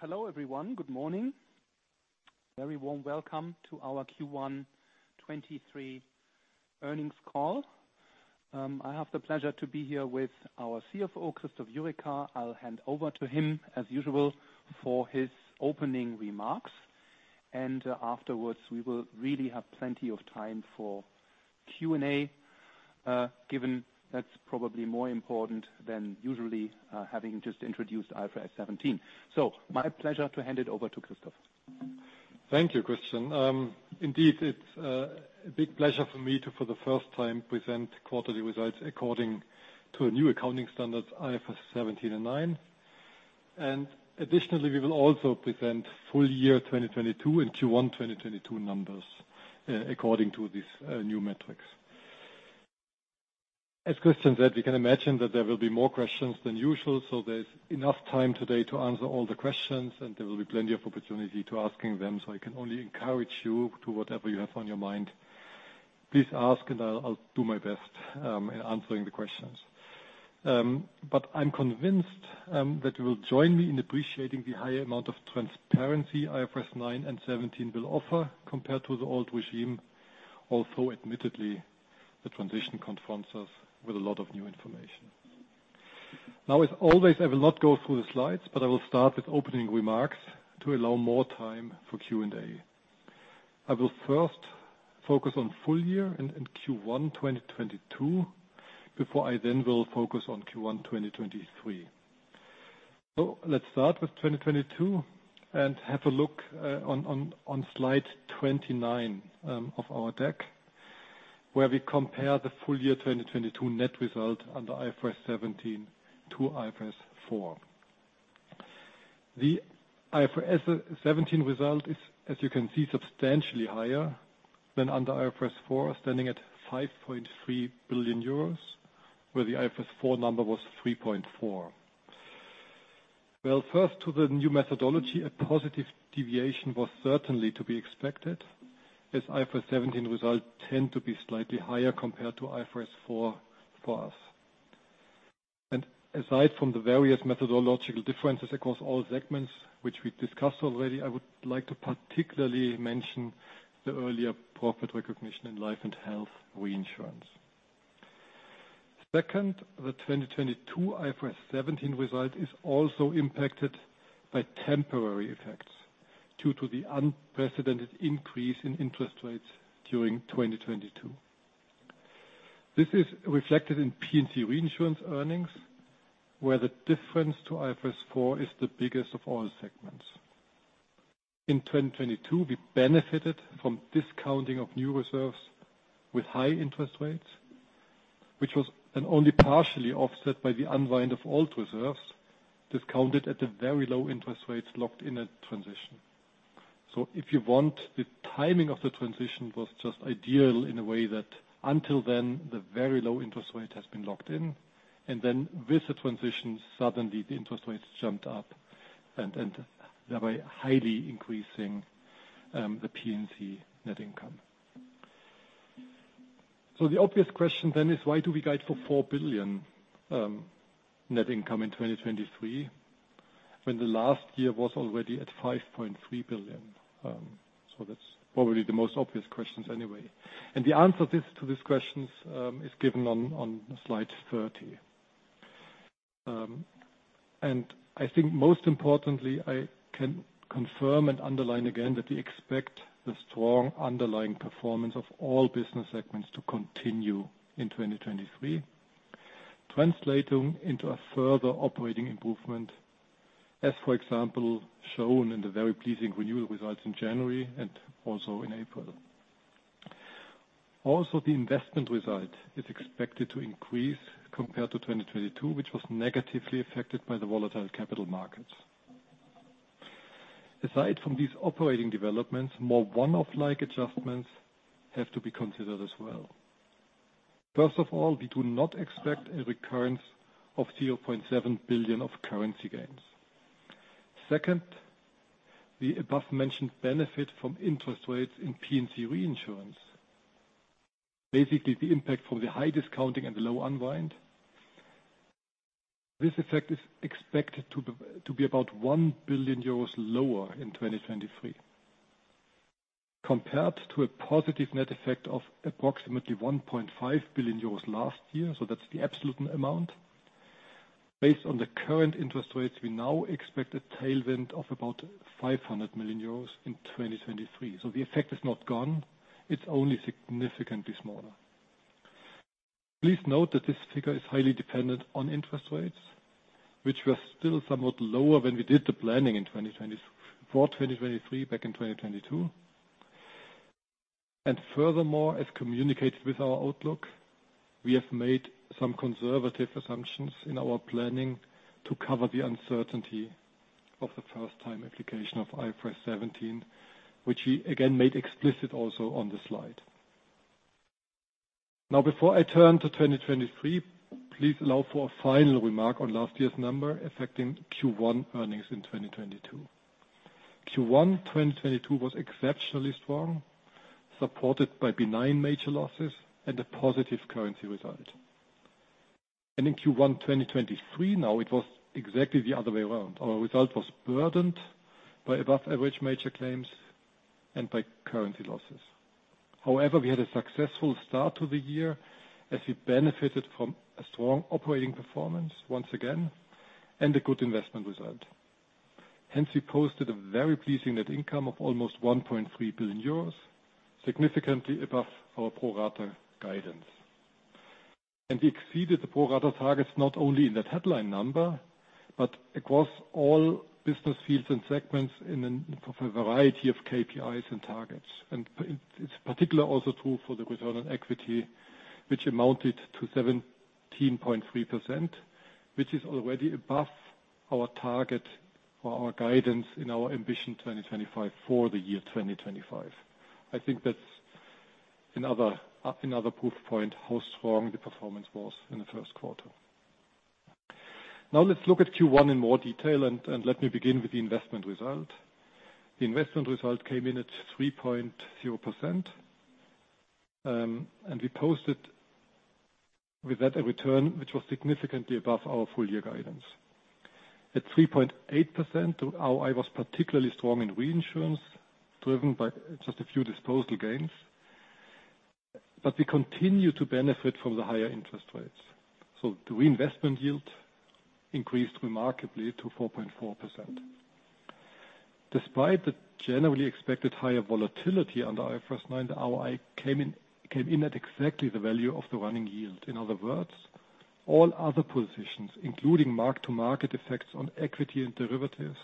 Hello everyone. Good morning. Very warm welcome to our Q1 2023 earnings call. I have the pleasure to be here with our CFO, Christoph Jurecka. I'll hand over to him as usual for his opening remarks. Afterwards, we will really have plenty of time for Q&A, given that's probably more important than usually, having just introduced IFRS 17. My pleasure to hand it over to Christoph. Thank you, Christian. Indeed, it's a big pleasure for me to, for the first time, present quarterly results according to a new accounting standard, IFRS 17 and IFRS 9. Additionally, we will also present full year 2022 and Q1 2022 numbers according to these new metrics. As Christian said, we can imagine that there will be more questions than usual, there's enough time today to answer all the questions, and there will be plenty of opportunity to asking them. I can only encourage you to whatever you have on your mind. Please ask, and I'll do my best in answering the questions. I'm convinced that you will join me in appreciating the high amount of transparency IFRS 9 and IFRS 17 will offer compared to the old regime. Admittedly, the transition confronts us with a lot of new information. As always, I will not go through the slides, but I will start with opening remarks to allow more time for Q&A. I will first focus on full year and Q1 2022 before I then will focus on Q1 2023. Let's start with 2022 and have a look on slide 29 of our deck, where we compare the full year 2022 net result under IFRS 17 to IFRS 4. The IFRS 17 result is, as you can see, substantially higher than under IFRS 4, standing at 5.3 billion euros, where the IFRS 4 number was 3.4 billion. First to the new methodology, a positive deviation was certainly to be expected, as IFRS 17 results tend to be slightly higher compared to IFRS 4 for us. Aside from the various methodological differences across all segments, which we discussed already, I would like to particularly mention the earlier profit recognition in Life & Health reinsurance. Second, the 2022 IFRS 17 result is also impacted by temporary effects due to the unprecedented increase in interest rates during 2022. This is reflected in Property-Casualty reinsurance earnings, where the difference to IFRS 4 is the biggest of all segments. In 2022, we benefited from discounting of new reserves with high interest rates, which was, and only partially offset by the unwind of old reserves, discounted at the very low interest rates locked in at transition. If you want, the timing of the transition was just ideal in a way that until then, the very low interest rate has been locked in. With the transition, suddenly the interest rates jumped up and thereby highly increasing the P&C net income. The obvious question then is why do we guide for 4 billion net income in 2023 when the last year was already at 5.3 billion? That's probably the most obvious questions anyway. The answer to these questions is given on slide 30. I think most importantly, I can confirm and underline again that we expect the strong underlying performance of all business segments to continue in 2023, translating into a further operating improvement. As, for example, shown in the very pleasing renewal results in January and also in April. The investment result is expected to increase compared to 2022, which was negatively affected by the volatile capital markets. Aside from these operating developments, more one-off-like adjustments have to be considered as well. First of all, we do not expect a recurrence of 0.7 billion of currency gains. Second, the above-mentioned benefit from interest rates in Property-Casualty reinsurance. Basically, the impact from the high discounting and the low unwind. This effect is expected to be about 1 billion euros lower in 2023. Compared to a positive net effect of approximately 1.5 billion euros last year, that's the absolute amount. Based on the current interest rates, we now expect a tailwind of about 500 million euros in 2023. The effect is not gone, it's only significantly smaller. Please note that this figure is highly dependent on interest rates, which were still somewhat lower when we did the planning for 2023 back in 2022. Furthermore, as communicated with our outlook, we have made some conservative assumptions in our planning to cover the uncertainty of the first-time application of IFRS 17, which we again made explicit also on the slide. Before I turn to 2023, please allow for a final remark on last year's number affecting Q1 earnings in 2022. Q1 2022 was exceptionally strong, supported by benign major losses and a positive currency result. In Q1 2023, it was exactly the other way around. Our result was burdened by above average major claims and by currency losses. However, we had a successful start to the year as we benefited from a strong operating performance once again and a good investment result. Hence, we posted a very pleasing net income of almost 1.3 billion euros, significantly above our pro rata guidance. We exceeded the pro rata targets, not only in that headline number, but across all business fields and segments in a variety of KPIs and targets. It's particularly also true for the return on equity, which amounted to 17.3%, which is already above our target or our guidance in our Ambition 2025 for the year 2025. I think that's another proof point how strong the performance was in the first quarter. Now let's look at Q1 in more detail and let me begin with the investment result. The investment result came in at 3.0%, and we posted with that a return which was significantly above our full year guidance. At 3.8%, our ROE was particularly strong in reinsurance, driven by just a few disposal gains. We continue to benefit from the higher interest rates. The reinvestment yield increased remarkably to 4.4%. Despite the generally expected higher volatility under IFRS 9, our ROE came in at exactly the value of the running yield. In other words, all other positions, including mark-to-market effects on equity and derivatives,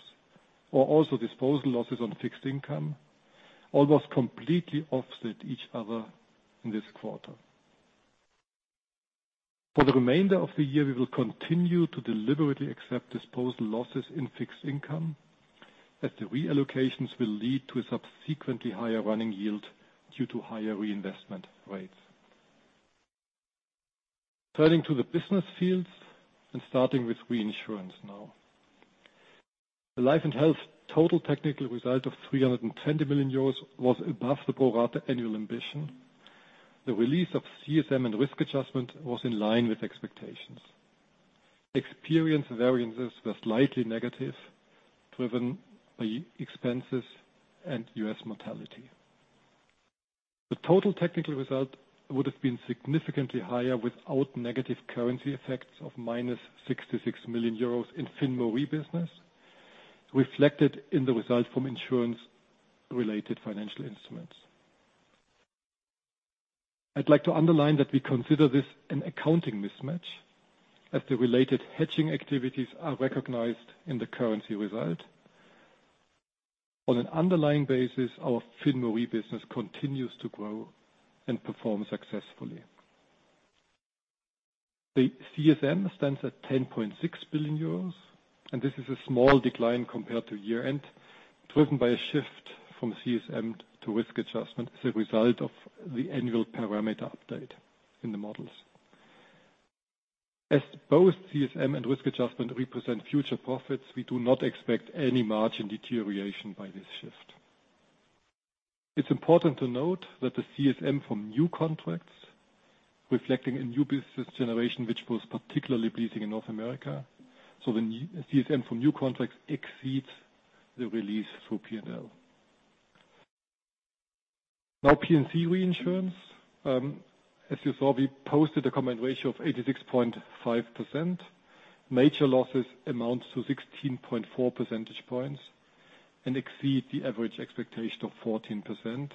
or also disposal losses on fixed income, almost completely offset each other in this quarter. For the remainder of the year, we will continue to deliberately accept disposal losses in fixed income, as the reallocations will lead to a subsequently higher running yield due to higher reinvestment rates. Turning to the business fields and starting with reinsurance now. The Life & Health total technical result of 320 million euros was above the pro rata annual ambition. The release of CSM and risk adjustment was in line with expectations. Experience variances were slightly negative, driven by expenses and U.S. mortality. The total technical result would have been significantly higher without negative currency effects of minus 66 million euros in FinmaRe business, reflected in the result from insurance-related financial instruments. I'd like to underline that we consider this an accounting mismatch, as the related hedging activities are recognized in the currency result. On an underlying basis, our FinmaRe business continues to grow and perform successfully. The CSM stands at 10.6 billion euros, and this is a small decline compared to year-end, driven by a shift from CSM to risk adjustment as a result of the annual parameter update in the models. As both CSM and risk adjustment represent future profits, we do not expect any margin deterioration by this shift. It's important to note that the CSM from new contracts reflecting a new business generation, which was particularly pleasing in North America. The CSM from new contracts exceeds the release through P&L. Property-Casualty reinsurance, as you saw, we posted a combined ratio of 86.5%. Major losses amount to 16.4 percentage points and exceed the average expectation of 14%.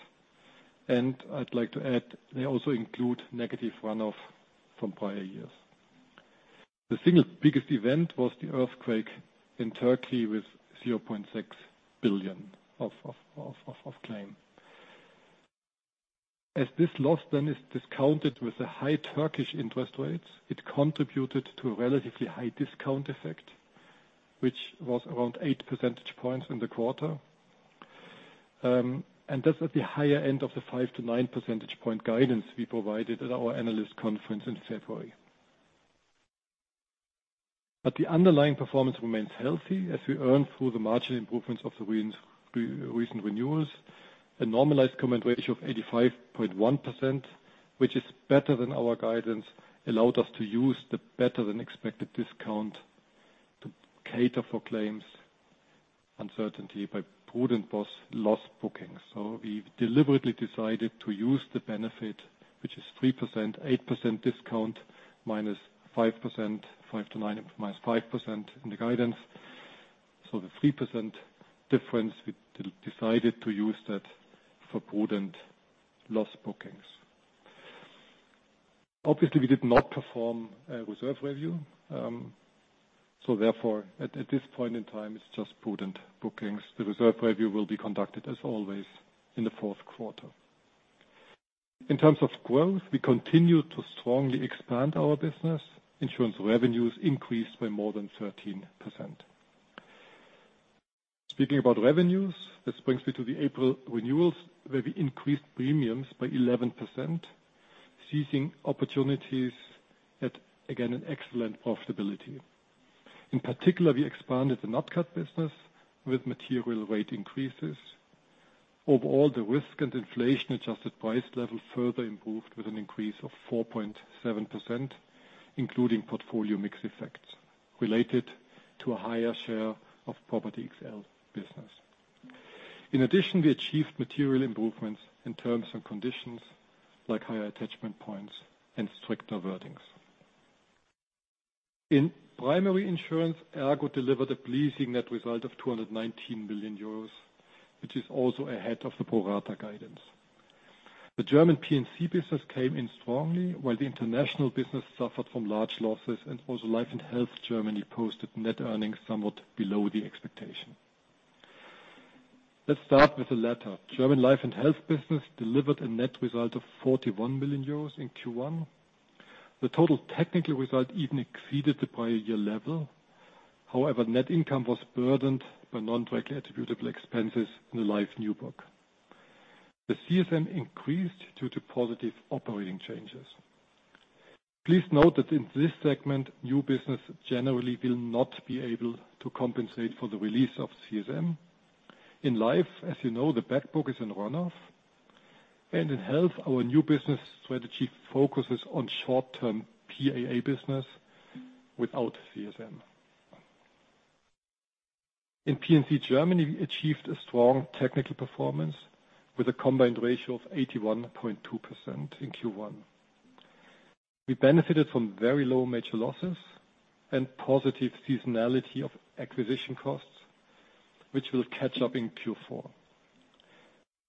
I'd like to add, they also include negative runoff from prior years. The single biggest event was the earthquake in Turkey with 0.6 billion of claim. This loss then is discounted with the high Turkish interest rates, it contributed to a relatively high discount effect, which was around 8 percentage points in the quarter. That's at the higher end of the 5 to 9 percentage point guidance we provided at our analyst conference in February. The underlying performance remains healthy as we earn through the margin improvements of the recent renewals. A normalized combined ratio of 85.1%, which is better than our guidance, allowed us to use the better than expected discount to cater for claims uncertainty by prudent loss bookings. We've deliberately decided to use the benefit, which is 3%, 8% discount, -5%, 5 to 9, -5% in the guidance. The 3% difference, we decided to use that for prudent loss bookings. Obviously, we did not perform a reserve review. Therefore, at this point in time, it's just prudent bookings. The reserve review will be conducted, as always, in the fourth quarter. In terms of growth, we continue to strongly expand our business. Insurance revenues increased by more than 13%. Speaking about revenues, this brings me to the April renewals, where we increased premiums by 11%, seizing opportunities at, again, an excellent profitability. In particular, we expanded the Nat Cat business with material rate increases. Overall, the risk and inflation-adjusted price level further improved with an increase of 4.7%, including portfolio mix effects related to a higher share of Property XL business. In addition, we achieved material improvements in terms and conditions, like higher attachment points and stricter wordings. In primary insurance, ERGO delivered a pleasing net result of 219 million euros, which is also ahead of the pro rata guidance. The German P&C business came in strongly, while the international business suffered from large losses, also Life & Health Germany posted net earnings somewhat below the expectation. Let's start with the latter. German Life & Health business delivered a net result of 41 million euros in Q1. The total technical result even exceeded the prior year level. However, net income was burdened by non-directly attributable expenses in the life new book. The CSM increased due to positive operating changes. Please note that in this segment, new business generally will not be able to compensate for the release of CSM. In Life, as you know, the back book is in runoff. In Health, our new business strategy focuses on short-term PAA business without CSM. In P&C Germany, we achieved a strong technical performance with a combined ratio of 81.2% in Q1. We benefited from very low major losses and positive seasonality of acquisition costs, which will catch up in Q4.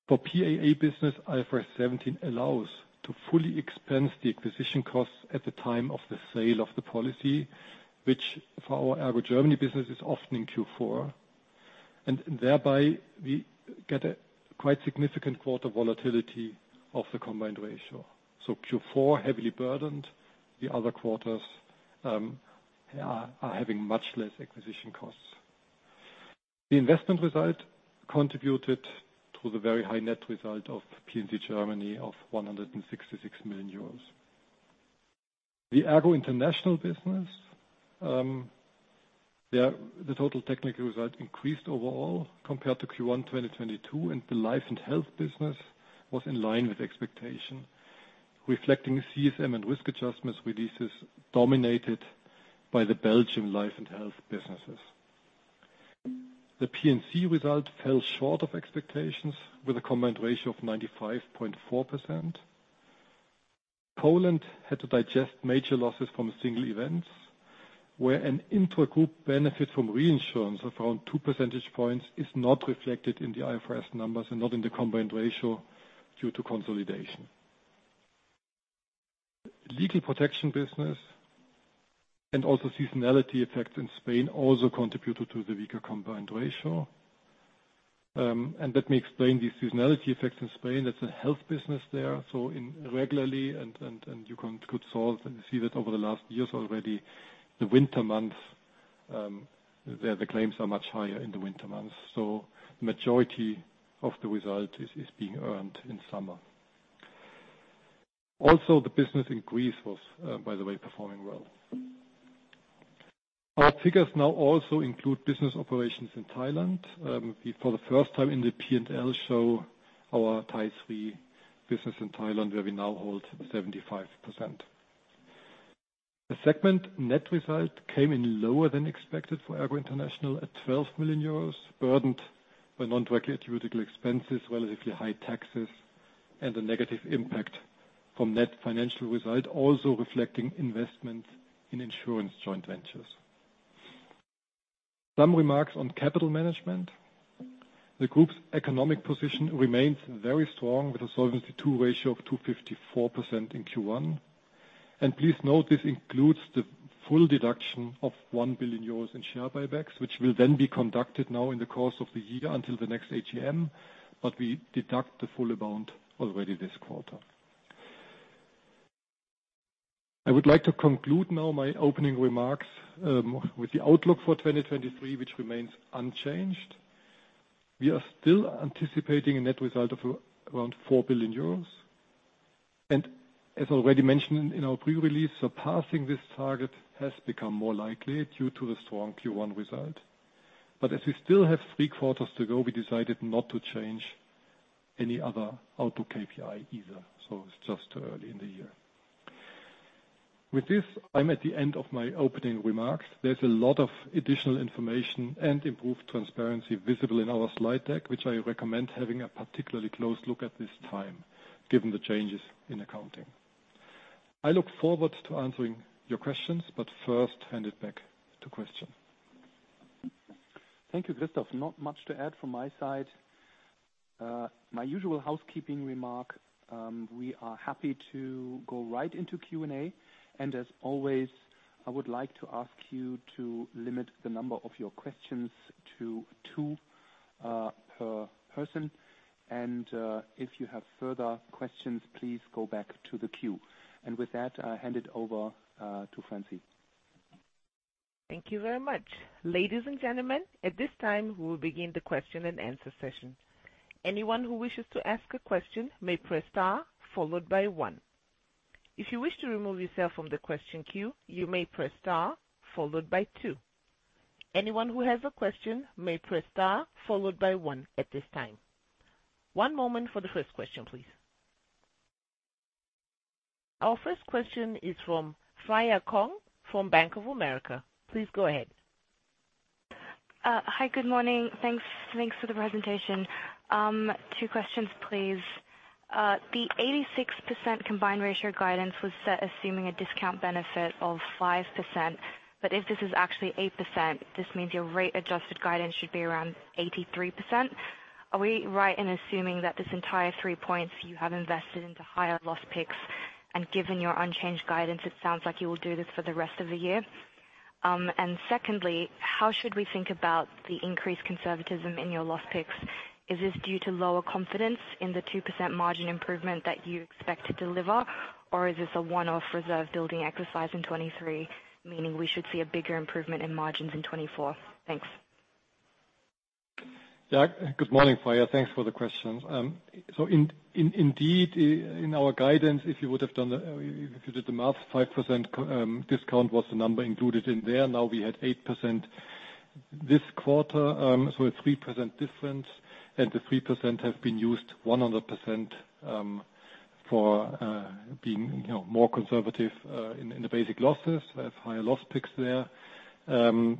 For PAA business, IFRS 17 allows to fully expense the acquisition costs at the time of the sale of the policy, which for our ERGO Germany business is often in Q4. Thereby, we get a quite significant quarter volatility of the combined ratio. Q4 heavily burdened, the other quarters are having much less acquisition costs. The investment result contributed to the very high net result of P&C Germany of 166 million euros. The ERGO International business, the total technical result increased overall compared to Q1 2022, and the Life & Health business was in line with expectation, reflecting CSM and risk adjustments releases dominated by the Belgium Life & Health businesses. The P&C result fell short of expectations with a combined ratio of 95.4%. Poland had to digest major losses from single events, where an intra-group benefit from reinsurance of around two percentage points is not reflected in the IFRS numbers and not in the combined ratio due to consolidation. Legal protection business and also seasonality effect in Spain also contributed to the weaker combined ratio. Let me explain the seasonality effects in Spain. There's a health business there, in regularly and you could solve and see that over the last years already, the winter months, the claims are much higher in the winter months. The majority of the result is being earned in summer. The business in Greece was, by the way, performing well. Our figures now also include business operations in Thailand. We, for the first time in the P&L show our Thaisri business in Thailand, where we now hold 75%. The segment net result came in lower than expected for ERGO International at 12 million euros, burdened by non- 直接 attributable expenses, relatively high taxes, and a negative impact from net financial result, also reflecting investments in insurance joint ventures. Some remarks on capital management. The group's economic position remains very strong, with a Solvency II ratio of 254% in Q1. Please note this includes the full deduction of 1 billion euros in share buybacks, which will then be conducted now in the course of the year until the next AGM. We deduct the full amount already this quarter. I would like to conclude now my opening remarks with the outlook for 2023, which remains unchanged. We are still anticipating a net result of around 4 billion euros. As already mentioned in our pre-release, surpassing this target has become more likely due to the strong Q1 result. As we still have three quarters to go, we decided not to change any other outlook KPI either. It's just early in the year. With this, I'm at the end of my opening remarks. There's a lot of additional information and improved transparency visible in our slide deck, which I recommend having a particularly close look at this time, given the changes in accounting. I look forward to answering your questions, but first hand it back to Christian. Thank you, Christoph. Not much to add from my side. My usual housekeeping remark, we are happy to go right into Q&A. As always, I would like to ask you to limit the number of your questions to two per person. If you have further questions, please go back to the queue. With that, I hand it over to Francine. Thank you very much. Ladies and gentlemen, at this time, we'll begin the question and answer session. Anyone who wishes to ask a question may press star followed by one. If you wish to remove yourself from the question queue, you may press star followed by two. Anyone who has a question may press star followed by one at this time. One moment for the first question, please. Our first question is from Freya Kong from Bank of America. Please go ahead. Hi, good morning. Thanks, thanks for the presentation. Two questions, please. The 86% combined ratio guidance was set assuming a discount benefit of 5%, but if this is actually 8%, this means your rate adjusted guidance should be around 83%. Are we right in assuming that this entire 3 points you have invested into higher loss picks, and given your unchanged guidance, it sounds like you will do this for the rest of the year? Secondly, how should we think about the increased conservatism in your loss picks? Is this due to lower confidence in the 2% margin improvement that you expect to deliver? Or is this a one-off reserve building exercise in 2023, meaning we should see a bigger improvement in margins in 2024? Thanks. Good morning, Freya. Thanks for the questions. In indeed, in our guidance, if you would have done, if you did the math, 5% discount was the number included in there. Now, we had 8% this quarter, a 3% difference, the 3% have been used 100% for being, you know, more conservative in the basic losses. We have higher loss picks there. The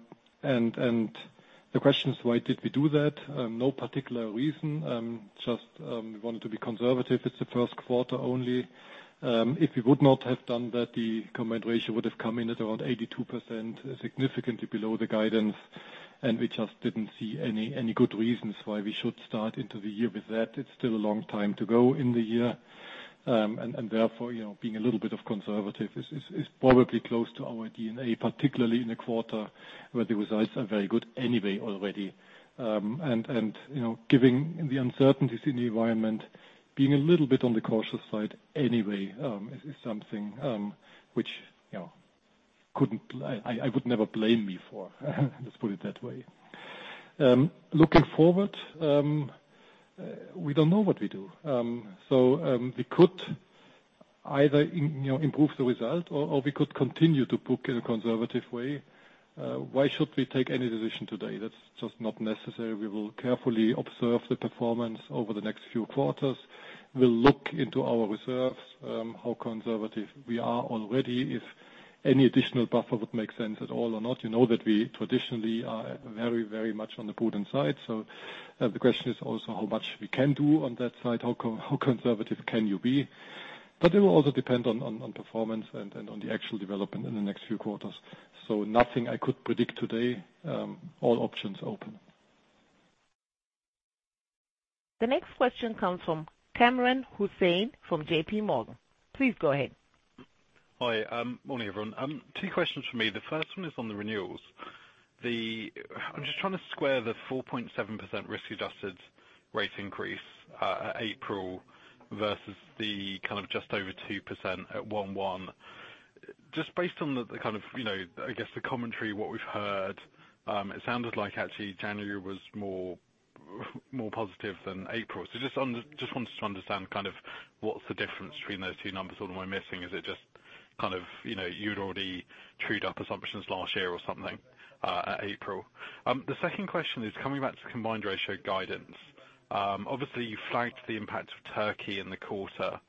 question is, why did we do that? No particular reason, just we wanted to be conservative. It's the first quarter only. If we would not have done that, the combined ratio would have come in at around 82%, significantly below the guidance, and we just didn't see any good reasons why we should start into the year with that. It's still a long time to go in the year. Therefore, you know, being a little bit of conservative is probably close to our DNA, particularly in a quarter where the results are very good anyway already. Giving the uncertainties in the environment, being a little bit on the cautious side anyway, is something which, you know, I would never blame me for, let's put it that way. Looking forward, we don't know what we do. We could either you know, improve the result, or we could continue to book in a conservative way. Why should we take any decision today? That's just not necessary. We will carefully observe the performance over the next few quarters. We'll look into our reserves, how conservative we are already, if any additional buffer would make sense at all or not. You know that we traditionally are very, very much on the prudent side. The question is also how much we can do on that side, how conservative can you be. It will also depend on performance and on the actual development in the next few quarters. Nothing I could predict today. All options open. The next question comes from Kamran Hussain from JPMorgan. Please go ahead. Hi. Morning, everyone. Two questions from me. The first one is on the renewals. I'm just trying to square the 4.7% risk-adjusted rate increase at April versus the kind of just over 2% at 1/1. Just based on the kind of, you know, I guess the commentary, what we've heard, it sounded like actually January was more, more positive than April. Just wanted to understand kind of what's the difference between those two numbers or am I missing? Is it just kind of, you know, you'd already trued up assumptions last year or something at April? The second question is coming back to combined ratio guidance. Obviously you flagged the impact of Turkey in the quarter,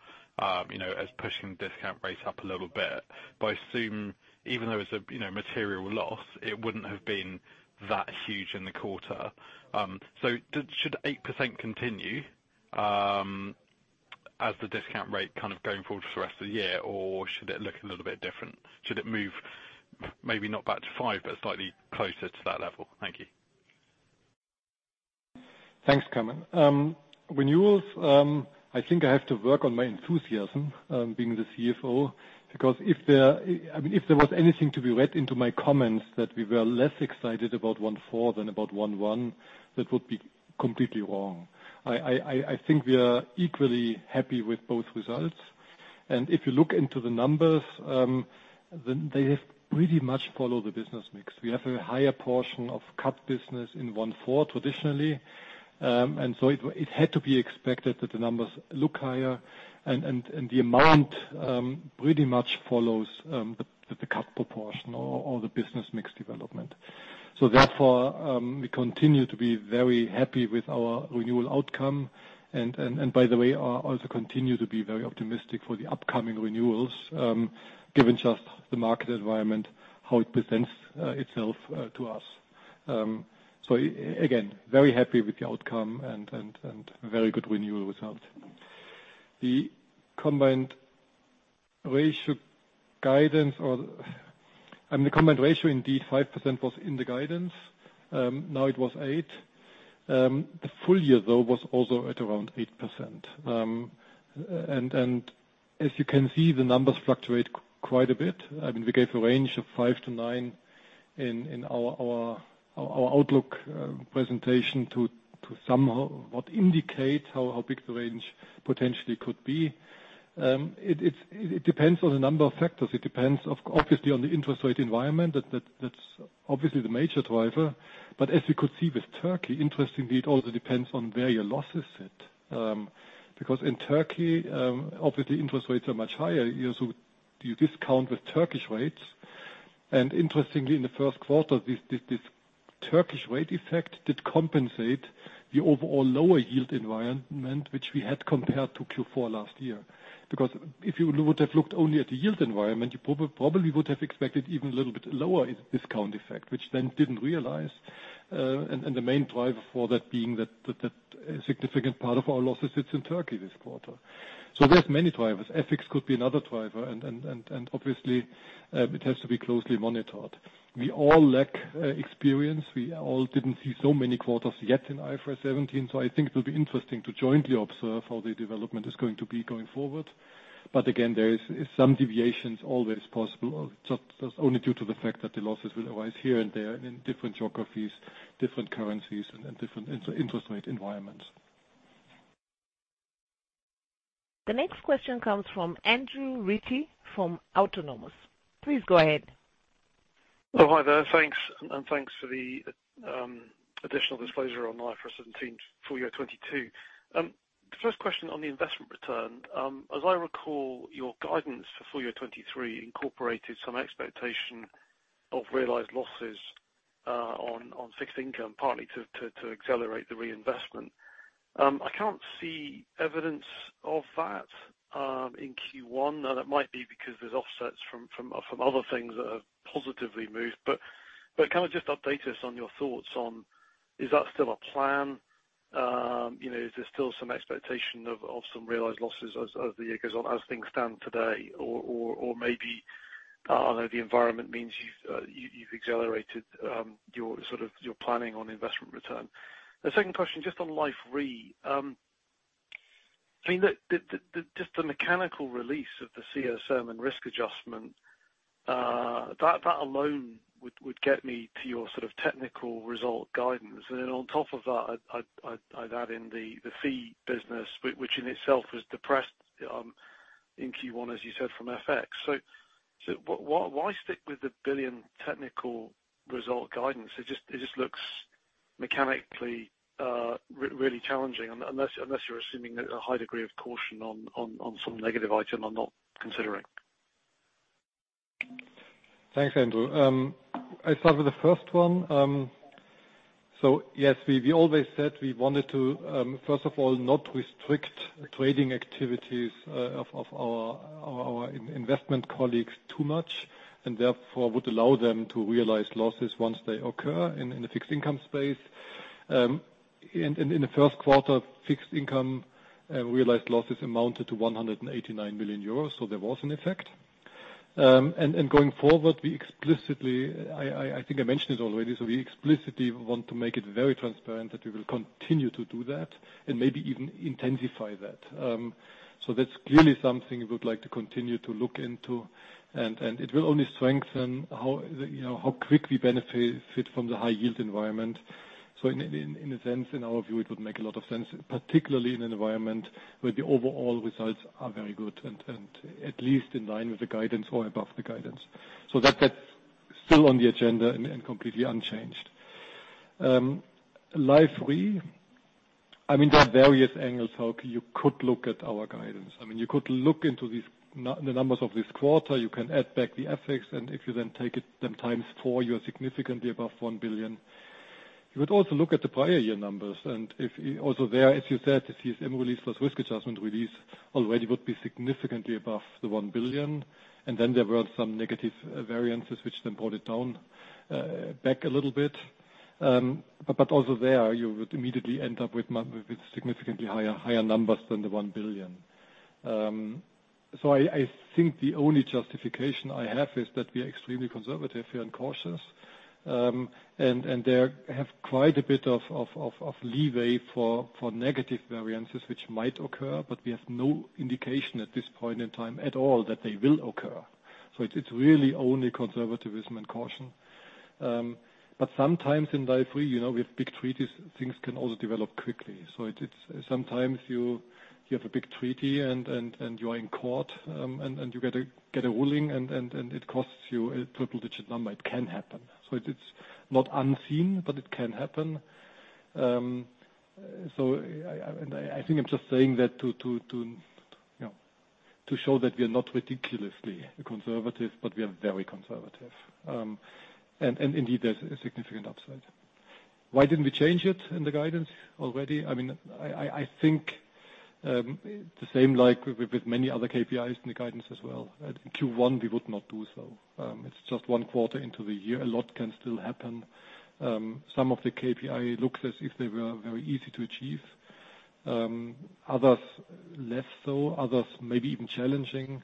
you know, as pushing discount rate up a little bit. I assume even though it's a, you know, material loss, it wouldn't have been that huge in the quarter. Should 8% continue as the discount rate kind of going forward for the rest of the year? Or should it look a little bit different? Should it move maybe not back to five, but slightly closer to that level? Thank you. Thanks, Kamran. Renewals, I think I have to work on my enthusiasm, being the CFO. If there, I mean, if there was anything to be read into my comments that we were less excited about 1/4 than about 1/1, that would be completely wrong. I think we are equally happy with both results. If you look into the numbers, they have pretty much followed the business mix. We have a higher portion of CAT business in 1/4 traditionally. It had to be expected that the numbers look higher. The amount pretty much follows the CAT proportion or the business mix development. We continue to be very happy with our renewal outcome. By the way, also continue to be very optimistic for the upcoming renewals, given just the market environment, how it presents itself to us. Again, very happy with the outcome and very good renewal result. The combined ratio guidance. I mean, the combined ratio, indeed, 5% was in the guidance. Now it was eight. The full year, though, was also at around 8%. As you can see, the numbers fluctuate quite a bit. I mean, we gave a range of 5%-9% in our outlook presentation to somewhat indicate how big the range potentially could be. It depends on a number of factors. It depends obviously on the interest rate environment. That's obviously the major driver. As you could see with Turkey, interestingly, it also depends on where your loss is set. In Turkey, obviously interest rates are much higher. You also do you discount with Turkish rates. Interestingly, in the first quarter, this Turkish rate effect did compensate the overall lower yield environment which we had compared to Q four last year. If you would have looked only at the yield environment, you probably would have expected even a little bit lower discount effect, which then didn't realize. The main driver for that being that a significant part of our losses sits in Turkey this quarter. There's many drivers. Ethics could be another driver. Obviously, it has to be closely monitored. We all lack experience. We all didn't see so many quarters yet in IFRS 17. I think it will be interesting to jointly observe how the development is going to be going forward. Again, there is some deviations always possible, just only due to the fact that the losses will arise here and there and in different geographies, different currencies and different interest rate environments. The next question comes from Andrew Ritchie from Autonomous. Please go ahead. Hi there. Thanks. Thanks for the additional disclosure on IFRS 17, full year 2022. The first question on the investment return, as I recall, your guidance for full year 2023 incorporated some expectation of realized losses on fixed income, partly to accelerate the reinvestment. I can't see evidence of that in Q1. That might be because there's offsets from other things that have positively moved. Kind of just update us on your thoughts on is that still a plan? You know, is there still some expectation of some realized losses as the year goes on, as things stand today? Maybe the environment means you've accelerated your sort of, your planning on investment return. The second question, just on life re. I mean, the mechanical release of the CSM and risk adjustment, that alone would get me to your sort of technical result guidance. Then on top of that, I'd add in the fee business, which in itself was depressed in Q1, as you said, from FX. Why stick with the 1 billion technical result guidance? It just looks mechanically really challenging, unless you're assuming a high degree of caution on some negative item I'm not considering. Thanks, Andrew. I'll start with the first one. Yes, we always said we wanted to, first of all, not restrict trading activities of our investment colleagues too much, and therefore would allow them to realize losses once they occur in the fixed income space. In the first quarter, fixed income realized losses amounted to 189 million euros. There was an effect. Going forward, we explicitly, I think I mentioned it already, we explicitly want to make it very transparent that we will continue to do that and maybe even intensify that. That's clearly something we would like to continue to look into, and it will only strengthen how, you know, how quick we benefit from the high yield environment. In a sense, in our view, it would make a lot of sense, particularly in an environment where the overall results are very good and at least in line with the guidance or above the guidance. That's still on the agenda and completely unchanged. Life Re, I mean, there are various angles how you could look at our guidance. I mean, you could look into the numbers of this quarter. You can add back the FX, and if you then take it then times four, you are significantly above 1 billion. You would also look at the prior year numbers. If also there, as you said, the CSM release plus risk adjustment release already would be significantly above 1 billion. Then there were some negative variances which then brought it down back a little bit. Also there, you would immediately end up with significantly higher numbers than 1 billion. I think the only justification I have is that we are extremely conservative here and cautious. There have quite a bit of leeway for negative variances which might occur, but we have no indication at this point in time at all that they will occur. It's really only conservatism and caution. Sometimes in life re, you know, we have big treaties, things can also develop quickly. Sometimes you have a big treaty and you are in court, and you get a ruling and it costs you a triple-digit number. It can happen. It's not unseen, but it can happen. So I, and I think I'm just saying that to, to, you know, to show that we are not ridiculously conservative, but we are very conservative. Indeed, there's a significant upside. Why didn't we change it in the guidance already? I mean, I, I think, the same like with many other KPIs in the guidance as well. Q one, we would not do so. It's just one quarter into the year. A lot can still happen. Some of the KPI looks as if they were very easy to achieve. Others less so, others may be even challenging.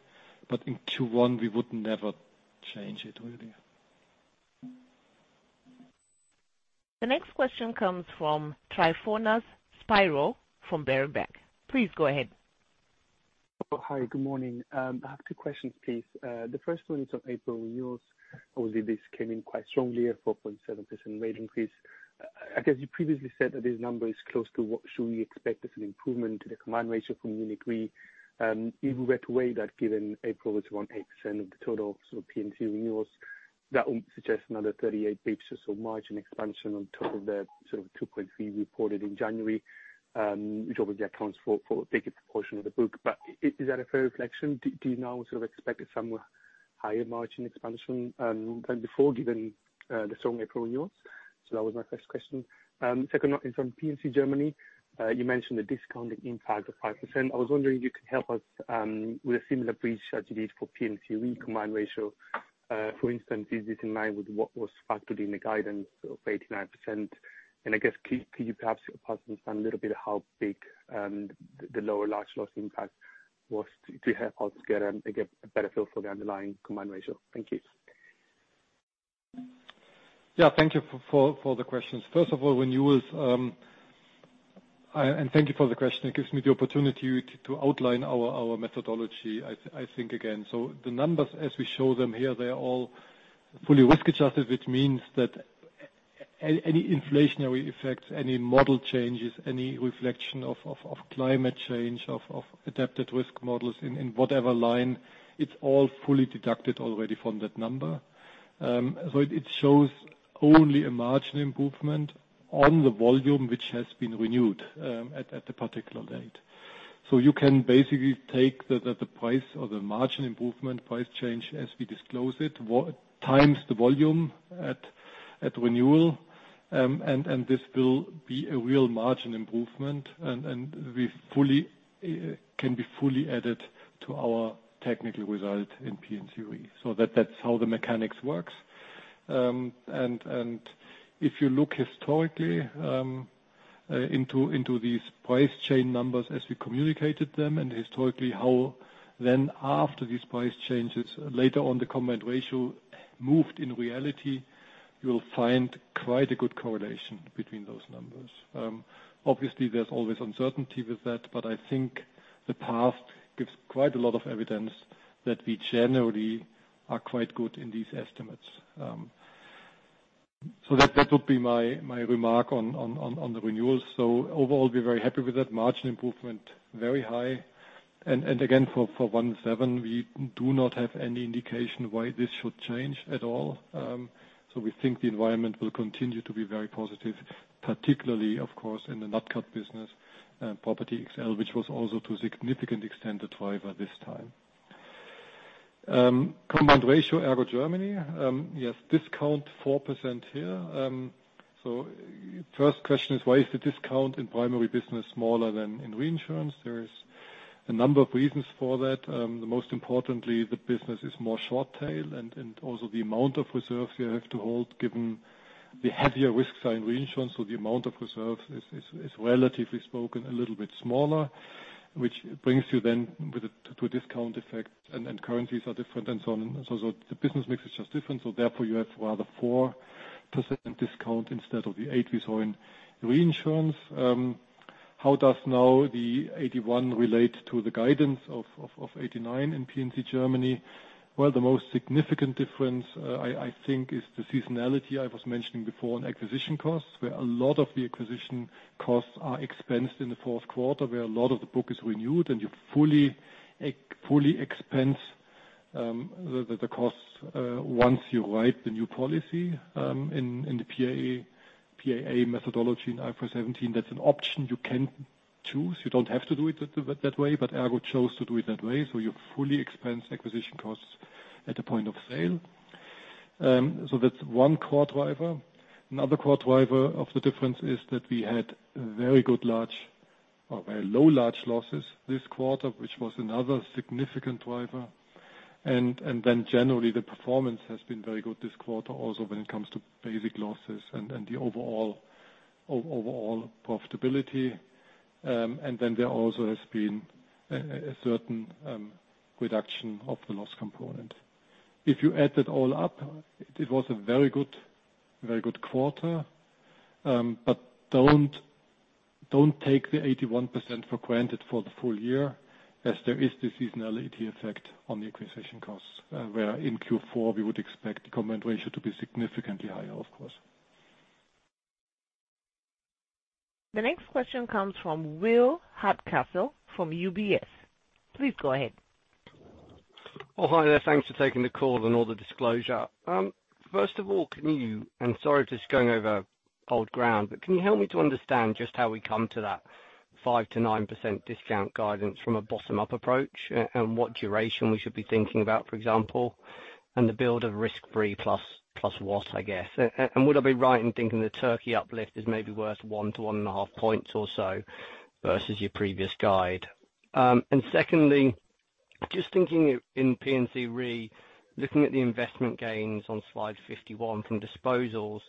In Q one, we would never change it really. The next question comes from Tryfonas Spyrou from Berenberg. Please go ahead. Hi, good morning. I have two questions, please. The first one is on April renewals. Obviously, this came in quite strongly at 4.7% rate increase. I guess you previously said that this number is close to what should we expect as an improvement to the combined ratio from Munich Re. If we were to weigh that given April is around 8% of the total sort of P&C renewals, that would suggest another 38 basis of margin expansion on top of the sort of 2.3% reported in January, which obviously accounts for a bigger proportion of the book. Is that a fair reflection? Do you now sort of expect some higher margin expansion than before, given the strong April renewals? That was my first question. Second one is on P&C Germany. You mentioned the discounted impact of 5%. I was wondering if you could help us with a similar bridge as you did for P&C re combined ratio. For instance, is this in line with what was factored in the guidance of 89%? I guess, could you perhaps help us understand a little bit how big the lower large loss impact was to help us get again, a better feel for the underlying combined ratio? Thank you. Yeah. Thank you for the questions. First of all, renewals, thank you for the question. It gives me the opportunity to outline our methodology, I think again. The numbers as we show them here, they are all fully risk-adjusted, which means that any inflationary effects, any model changes, any reflection of climate change, of adapted risk models in whatever line, it's all fully deducted already from that number. It shows only a margin improvement on the volume which has been renewed at a particular date. You can basically take the price or the margin improvement price change as we disclose it, times the volume at renewal, and this will be a real margin improvement. We fully can be fully added to our technical result in P&C re. That's how the mechanics works. If you look historically into these price chain numbers as we communicated them and historically how then after these price changes later on the combined ratio moved in reality, you'll find quite a good correlation between those numbers. Obviously there's always uncertainty with that, but I think the past gives quite a lot of evidence that we generally are quite good in these estimates. That would be my remark on the renewals. Overall, we're very happy with that margin improvement, very high. Again, for one seven, we do not have any indication why this should change at all. We think the environment will continue to be very positive, particularly of course in the Nat Cat business, Property XL, which was also to a significant extent the driver this time. combined ratio, ERGO Germany. Yes, discount 4% here. First question is why is the discount in primary business smaller than in reinsurance? There is a number of reasons for that. The most importantly, the business is more short tail and also the amount of reserves you have to hold given the heavier risks are in reinsurance. The amount of reserves is relatively spoken a little bit smaller, which brings you then with it to a discount effect and currencies are different and so on. The business mix is just different. You have rather 4% discount instead of the eight we saw in reinsurance. How does now the 81 relate to the guidance of 89 in P&C Germany? Well, the most significant difference, I think, is the seasonality I was mentioning before on acquisition costs, where a lot of the acquisition costs are expensed in the fourth quarter, where a lot of the book is renewed and you fully expense the costs once you write the new policy in the PAA methodology in IFRS 17. That's an option you can choose. You don't have to do it that way, but ERPO chose to do it that way. You fully expense acquisition costs at the point of sale. That's one core driver. Another core driver of the difference is that we had very good large or very low large losses this quarter, which was another significant driver. Generally the performance has been very good this quarter also when it comes to basic losses and the overall profitability. There also has been a certain reduction of the loss component. If you add that all up, it was a very good quarter. Don't take the 81% for granted for the full year as there is the seasonality effect on the acquisition costs, where in Q4 we would expect the combined ratio to be significantly higher of course. The next question comes from Will Hardcastle from UBS. Please go ahead. Hi there. Thanks for taking the call and all the disclosure. First of all, can you, and sorry if this is going over old ground, but can you help me to understand just how we come to that 5%-9% discount guidance from a bottom-up approach and what duration we should be thinking about, for example, and the build of risk-free plus what I guess? Would I be right in thinking the Turkey uplift is maybe worth 1-1.5 points or so versus your previous guide? Secondly, just thinking in P&C Re, looking at the investment gains on slide 51 from disposals,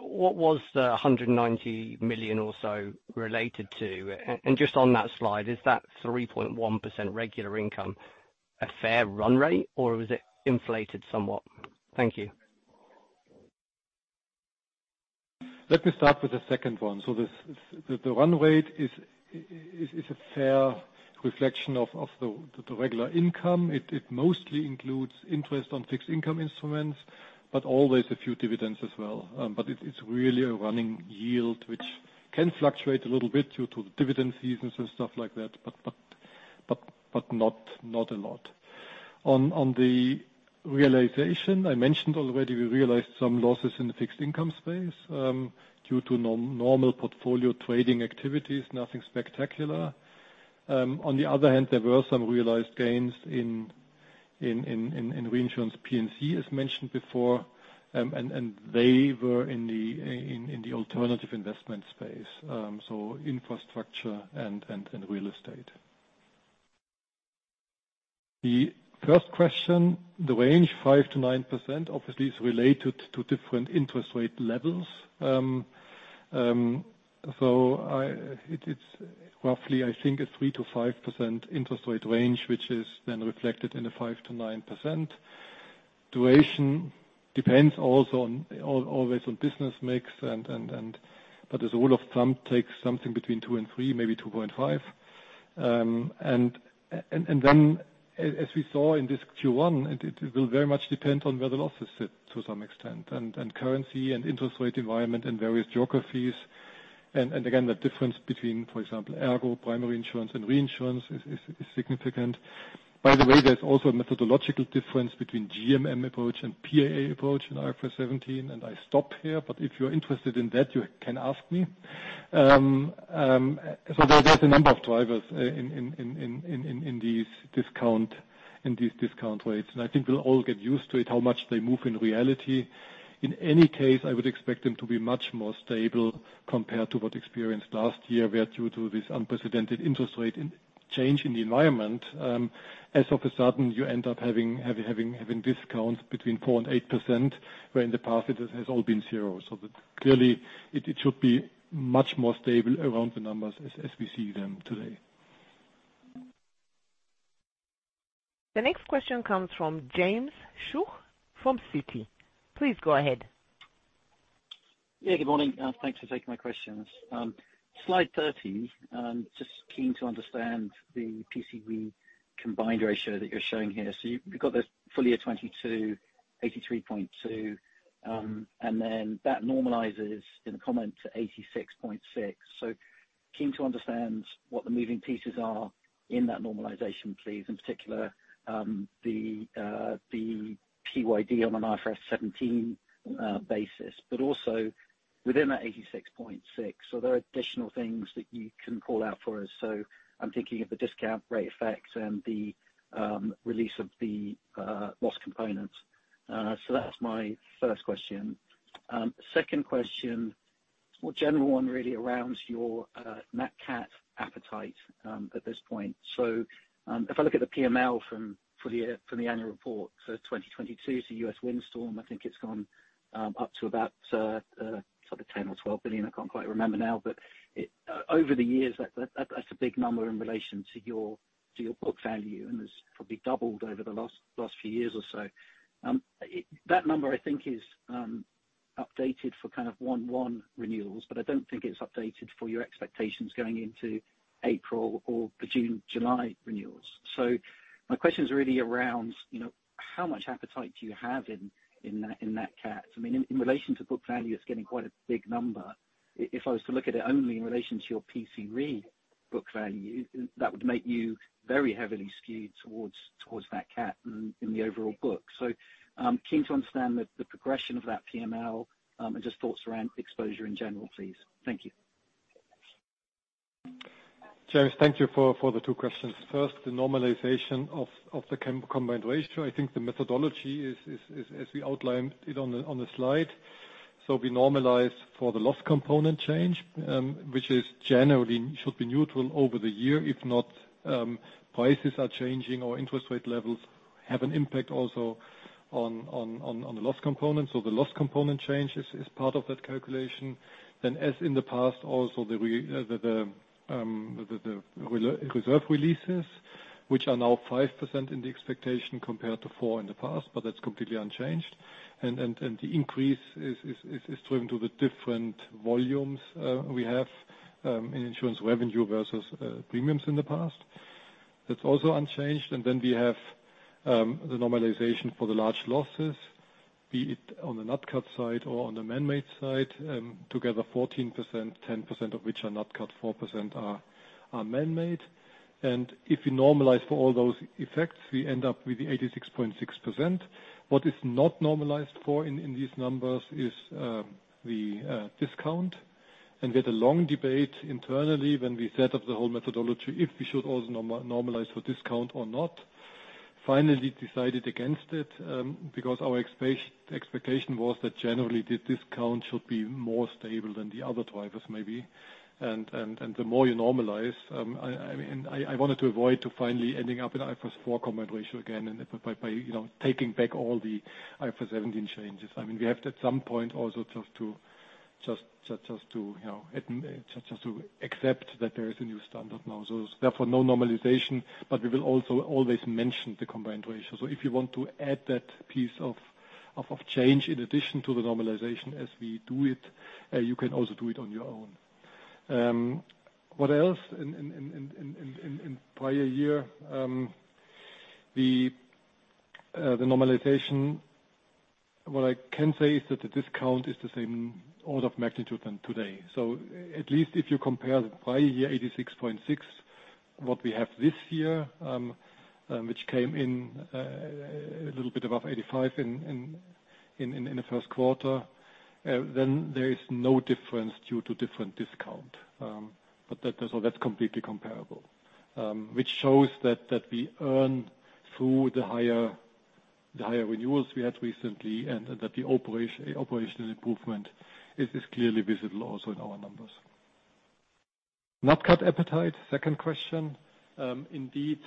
what was the 190 million or so related to? Just on that slide, is that 3.1% regular income a fair run rate, or was it inflated somewhat? Thank you. Let me start with the second one. The run rate is a fair reflection of the regular income. It mostly includes interest on fixed income instruments, but always a few dividends as well. But it is really a running yield which can fluctuate a little bit due to the dividend seasons and stuff like that, but not a lot. On the realization, I mentioned already we realized some losses in the fixed income space due to normal portfolio trading activities, nothing spectacular. On the other hand, there were some realized gains in reinsurance P&C, as mentioned before, and they were in the alternative investment space. Infrastructure and real estate. The first question, the range, 5%-9%, obviously, is related to different interest rate levels. It is roughly, I think, a 3%-5% interest rate range, which is then reflected in the 5%-9%. Duration depends also on, always on business mix. As a rule of thumb, takes something between two and three, maybe 2.5. Then as we saw in this Q1, it will very much depend on where the losses sit to some extent, currency and interest rate environment in various geographies. Again, the difference between, for example, ERGO, primary insurance and reinsurance is significant. By the way, there's also a methodological difference between GMM approach and PAA approach in IFRS 17, and I stop here, but if you're interested in that, you can ask me. There's a number of drivers in these discount rates. I think we'll all get used to it, how much they move in reality. In any case, I would expect them to be much more stable compared to what experienced last year, where due to this unprecedented interest rate in change in the environment, as of a sudden, you end up having discounts between 4% and 8%, where in the past it has all been 0. Clearly it should be much more stable around the numbers as we see them today. The next question comes from James Shuck from Citi. Please go ahead. Yeah, good morning. Thanks for taking my questions. Slide 30, just keen to understand the P&C combined ratio that you're showing here. You've got the full year 2022, 83.2, and then that normalizes in the comment to 86.6. Keen to understand what the moving pieces are in that normalization, please, in particular, the PYD on an IFRS 17 basis. Also within that 86.6, are there additional things that you can call out for us? I'm thinking of the discount rate effect and the release of the loss components. That's my first question. Second question, more general one really around your Nat Cat appetite at this point. If I look at the PML from full year from the annual report for 2022, so U.S. windstorm, I think it's gone up to about $10 billion or $12 billion. I can't quite remember now. Over the years, that's a big number in relation to your, to your book value, and it's probably doubled over the last few years or so. That number I think is updated for kind of 1/1 renewals, but I don't think it's updated for your expectations going into April or the June, July renewals. My question is really around, you know, how much appetite do you have in that, in Nat Cat? I mean, in relation to book value, it's getting quite a big number. If I was to look at it only in relation to your P&C book value, that would make you very heavily skewed towards nat cat in the overall book. Keen to understand the progression of that PML, and just thoughts around exposure in general, please. Thank you. James, thank you for the two questions. First, the normalization of the combined ratio. I think the methodology is as we outlined it on the slide. We normalize for the loss component change, which is generally should be neutral over the year. If not, prices are changing or interest rate levels have an impact also on the loss component. The loss component change is part of that calculation. As in the past also, the reserve releases, which are now 5% in the expectation compared to four in the past, but that's completely unchanged. The increase is driven to the different volumes we have in Insurance revenue versus premiums in the past. That's also unchanged. Then we have the normalization for the large losses, be it on the nat cat side or on the man-made side, together 14%, 10% of which are nat cat, 4% are man-made. If we normalize for all those effects, we end up with the 86.6%. What is not normalized for in these numbers is the discount. We had a long debate internally when we set up the whole methodology, if we should also normalize for discount or not. Finally decided against it because our expectation was that generally the discount should be more stable than the other drivers, maybe. The more you normalize, I mean, I wanted to avoid to finally ending up in IFRS 4 combined ratio again, and by, you know, taking back all the IFRS 17 changes. I mean, we have to at some point also just to, you know, just to accept that there is a new standard now. Therefore, no normalization, but we will also always mention the combined ratio. If you want to add that piece of change in addition to the normalization as we do it, you can also do it on your own. What else? In prior year, what I can say is that the discount is the same order of magnitude than today. At least if you compare the prior year 86.6%, what we have this year, which came in a little bit above 85% in the first quarter, then there is no difference due to different discount. That's completely comparable, which shows that we earn through the higher renewals we had recently, and that the operational improvement is clearly visible also in our numbers. Nat Cat appetite, second question. Indeed,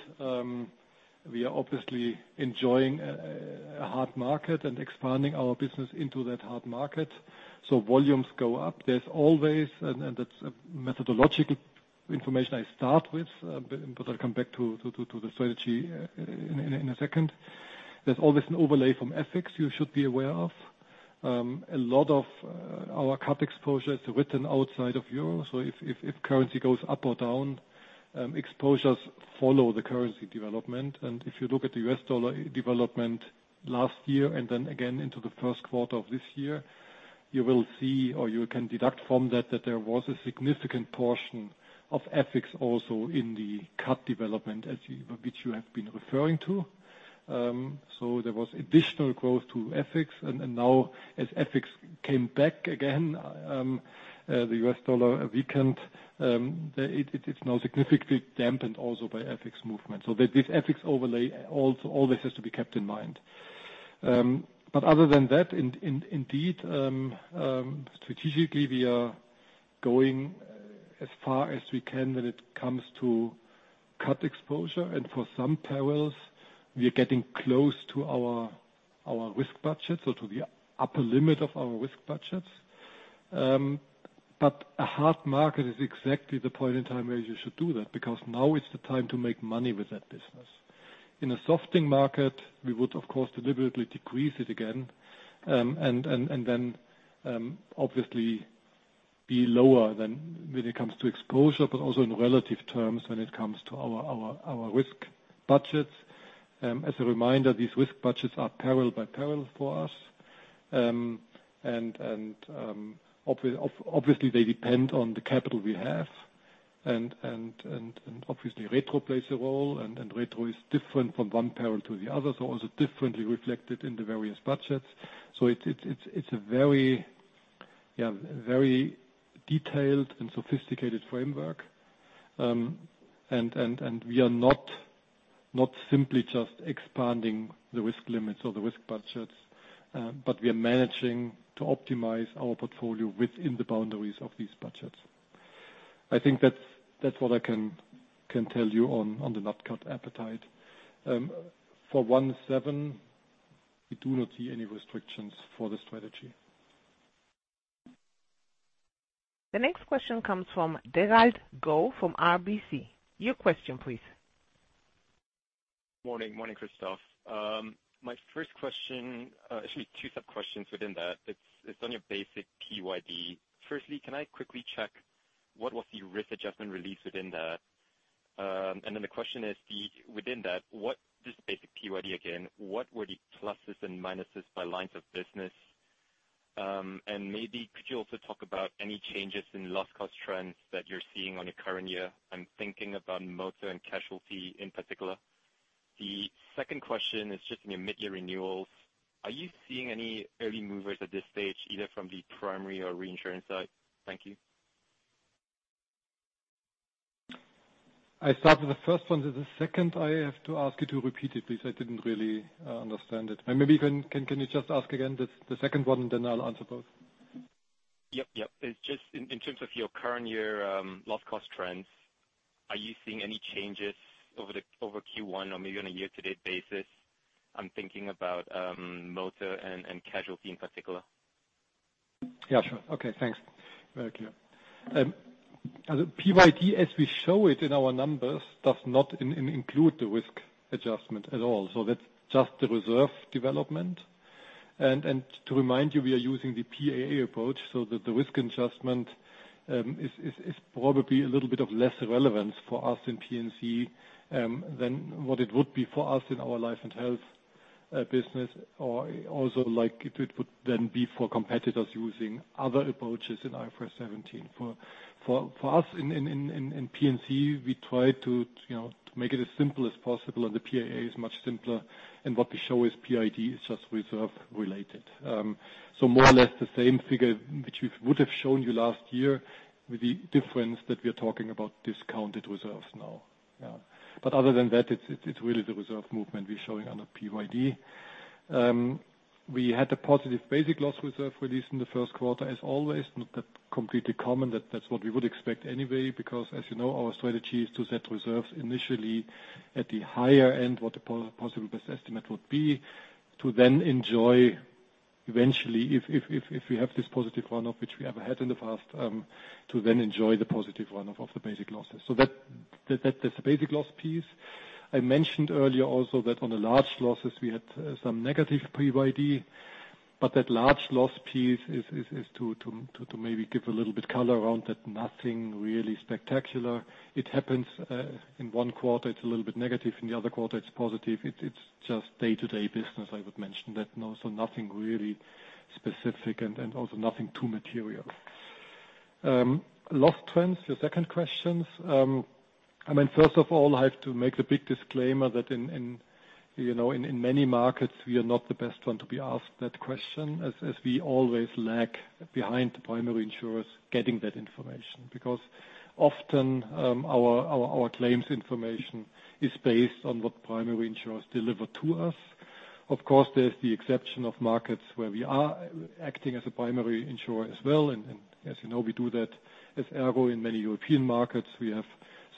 we are obviously enjoying a hard market and expanding our business into that hard market, so volumes go up. There's always, and that's a methodological information I start with, but I'll come back to the strategy in a second. There's always an overlay from FX you should be aware of. A lot of our CAT exposure is written outside of EUR. If currency goes up or down, exposures follow the currency development. If you look at the U.S. dollar development last year and then again into the first quarter of this year, you will see or you can deduct from that there was a significant portion of FX also in the CAT development which you have been referring to. There was additional growth to FX. Now as FX came back again, the US dollar weakened, it's now significantly dampened also by FX movement. This FX overlay always has to be kept in mind. Other than that, indeed, strategically, we are going as far as we can when it comes to cut exposure. For some perils, we are getting close to our risk budget, so to the upper limit of our risk budgets. A hard market is exactly the point in time where you should do that, because now is the time to make money with that business. In a softening market, we would, of course, deliberately decrease it again, and then, obviously be lower than when it comes to exposure, but also in relative terms when it comes to our risk budgets. As a reminder, these risk budgets are peril by peril for us. Obviously, they depend on the capital we have. Obviously Retro plays a role, and Retro is different from one peril to the other, so also differently reflected in the various budgets. It's a very, very detailed and sophisticated framework. We are not simply just expanding the risk limits or the risk budgets, but we are managing to optimize our portfolio within the boundaries of these budgets. I think that's what I can tell you on the Nat Cat appetite. For 17, we do not see any restrictions for the strategy. The next question comes from Derald Goh from RBC. Your question, please. Morning. Morning, Christoph. My first question, actually two sub-questions within that. It's on your basic PYD. Firstly, can I quickly check what was the risk adjustment released within that? The question is, within that, just basic PYD again, what were the pluses and minuses by lines of business? Maybe could you also talk about any changes in loss cost trends that you're seeing on your current year? I'm thinking about motor and casualty in particular. The second question is just in your mid-year renewals. Are you seeing any early movers at this stage, either from the primary or reinsurance side? Thank you. I started the first one. The second, I have to ask you to repeat it, please. I didn't really understand it. Maybe you can you just ask again the second one, then I'll answer both. Yep, yep. It's just in terms of your current year loss cost trends, are you seeing any changes over Q1 or maybe on a year-to-date basis? I'm thinking about motor and casualty in particular. Yeah, sure. Okay, thanks. Very clear. The PYD, as we show it in our numbers, does not include the risk adjustment at all. That's just the reserve development. To remind you, we are using the PAA approach so that the risk adjustment is probably a little bit of lesser relevance for us in P&C than what it would be for us in our Life & Health business or also like it would then be for competitors using other approaches in IFRS 17. For us in P&C, we try to, you know, to make it as simple as possible, and the PAA is much simpler. What we show is PYD is just reserve related. More or less the same figure which we would have shown you last year, with the difference that we are talking about discounted reserves now. Other than that, it's really the reserve movement we're showing on a PYD. We had a positive basic loss reserve release in the first quarter as always. Not that completely common. That, that's what we would expect anyway, because as you know, our strategy is to set reserves initially at the higher end, what the possible best estimate would be. To then enjoy eventually if we have this positive run-up, which we have had in the past, to then enjoy the positive run-up of the basic losses. That, that's the basic loss piece. I mentioned earlier also that on the large losses we had some negative PYD, but that large loss piece is to maybe give a little bit color around it, nothing really spectacular. It happens, in one quarter it's a little bit negative, in the other quarter it's positive. It's just day-to-day business, I would mention that. Also nothing really specific and also nothing too material. Loss trends, your second question. I mean, first of all, I have to make the big disclaimer that in, you know, in many markets we are not the best one to be asked that question, as we always lag behind the primary insurers getting that information. Often, our claims information is based on what primary insurers deliver to us. Of course, there's the exception of markets where we are acting as a primary insurer as well. As you know, we do that as ERGO in many European markets. We have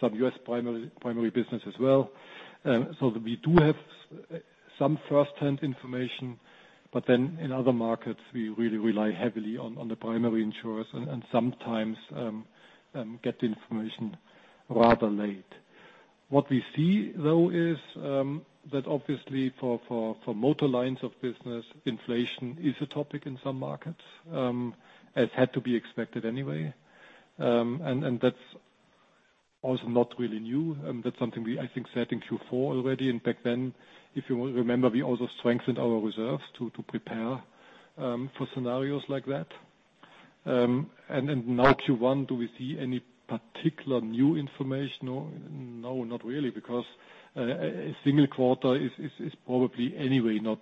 some U.S. primary business as well. So we do have some first-hand information. In other markets, we really rely heavily on the primary insurers and sometimes get the information rather late. What we see though is that obviously for motor lines of business, inflation is a topic in some markets, as had to be expected anyway. That's also not really new. That's something we I think said in Q4 already. Back then, if you remember, we also strengthened our reserves to prepare for scenarios like that. Now Q1, do we see any particular new information? No. No, not really, because a single quarter is probably anyway not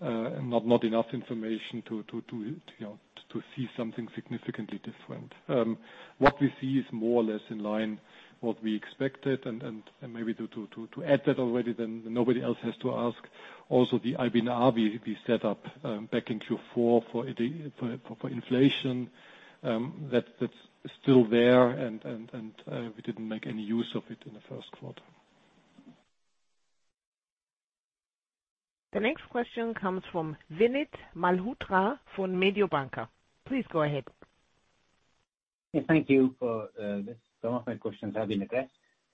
enough information to, you know, to see something significantly different. What we see is more or less in line what we expected. Maybe to add that already, then nobody else has to ask, also the IBNR we set up back in Q4 for inflation, that's still there and we didn't make any use of it in the first quarter. The next question comes from Vinit Malhotra from Mediobanca. Please go ahead. Yeah, thank you for this. Some of my questions have been addressed.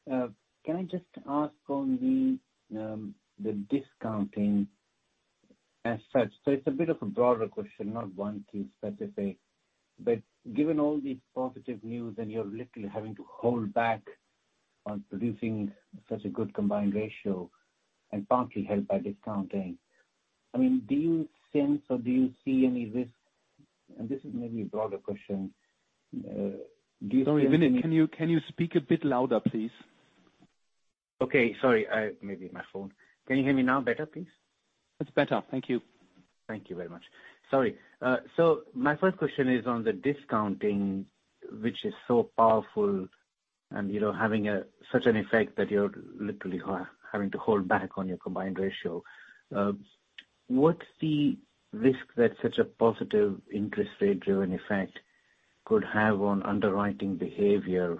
Can I just ask on the discounting as such? It's a bit of a broader question, not one to specific. Given all the positive news and you're literally having to hold back on producing such a good combined ratio, and partly helped by discounting, I mean, do you sense or do you see any risk? This is maybe a broader question. Sorry, Vinit, can you speak a bit louder, please? Okay. Sorry. Maybe my phone. Can you hear me now better, please? That's better. Thank you. Thank you very much. Sorry. My first question is on the discounting, which is so powerful and, you know, having such an effect that you're literally having to hold back on your combined ratio. What's the risk that such a positive interest rate-driven effect could have on underwriting behavior,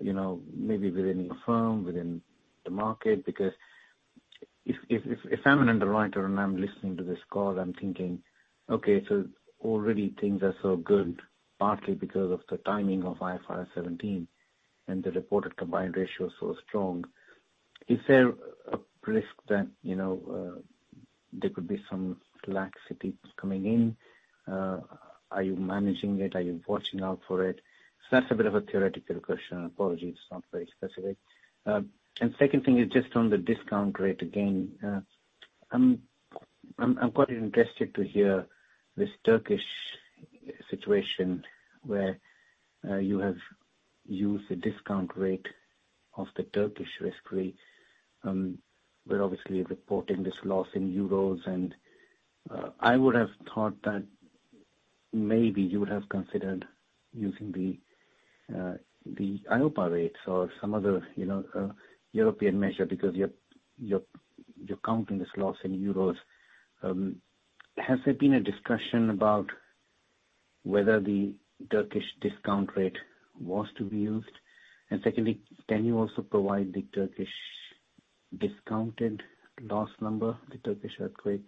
you know, maybe within your firm, within the market? If I'm an underwriter and I'm listening to this call, I'm thinking, okay, already things are so good, partly because of the timing of IFRS 17 and the reported combined ratio is so strong. Is there a risk that, you know, there could be some laxity coming in? Are you managing it? Are you watching out for it? That's a bit of a theoretical question. Apologies, it's not very specific. Second thing is just on the discount rate again. I'm quite interested to hear this Turkish situation where you have used a discount rate of the Turkish risk rate, but obviously reporting this loss in euros. I would have thought that maybe you would have considered using the IOPA rates or some other, you know, European measure because you're counting this loss in euros. Has there been a discussion about whether the Turkish discount rate was to be used? Secondly, can you also provide the Turkish discounted loss number, the Turkish earthquake?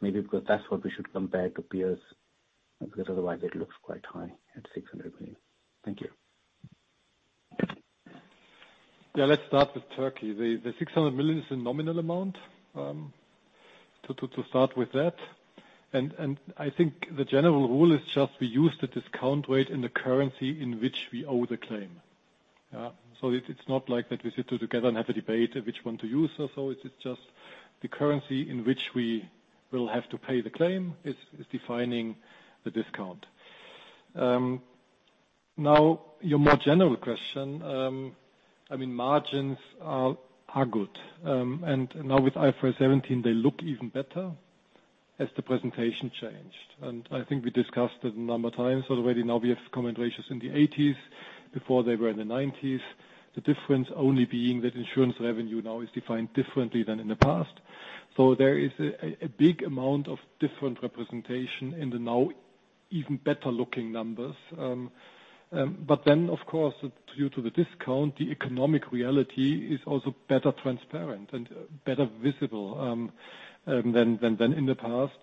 Maybe because that's what we should compare to peers, because otherwise it looks quite high at 600 million. Thank you. Yeah. Let's start with Turkey. The 600 million is the nominal amount to start with that. I think the general rule is just we use the discount rate in the currency in which we owe the claim. It's not like that we sit together and have a debate which one to use. It is just the currency in which we will have to pay the claim is defining the discount. Now your more general question. I mean, margins are good. Now with IFRS 17 they look even better as the presentation changed. I think we discussed it a number of times already. Now we have combination in the 80s, before they were in the 90s. The difference only being that Insurance revenue now is defined differently than in the past. There is a big amount of different representation in the now even better looking numbers. Of course, due to the discount, the economic reality is also better transparent and better visible than in the past.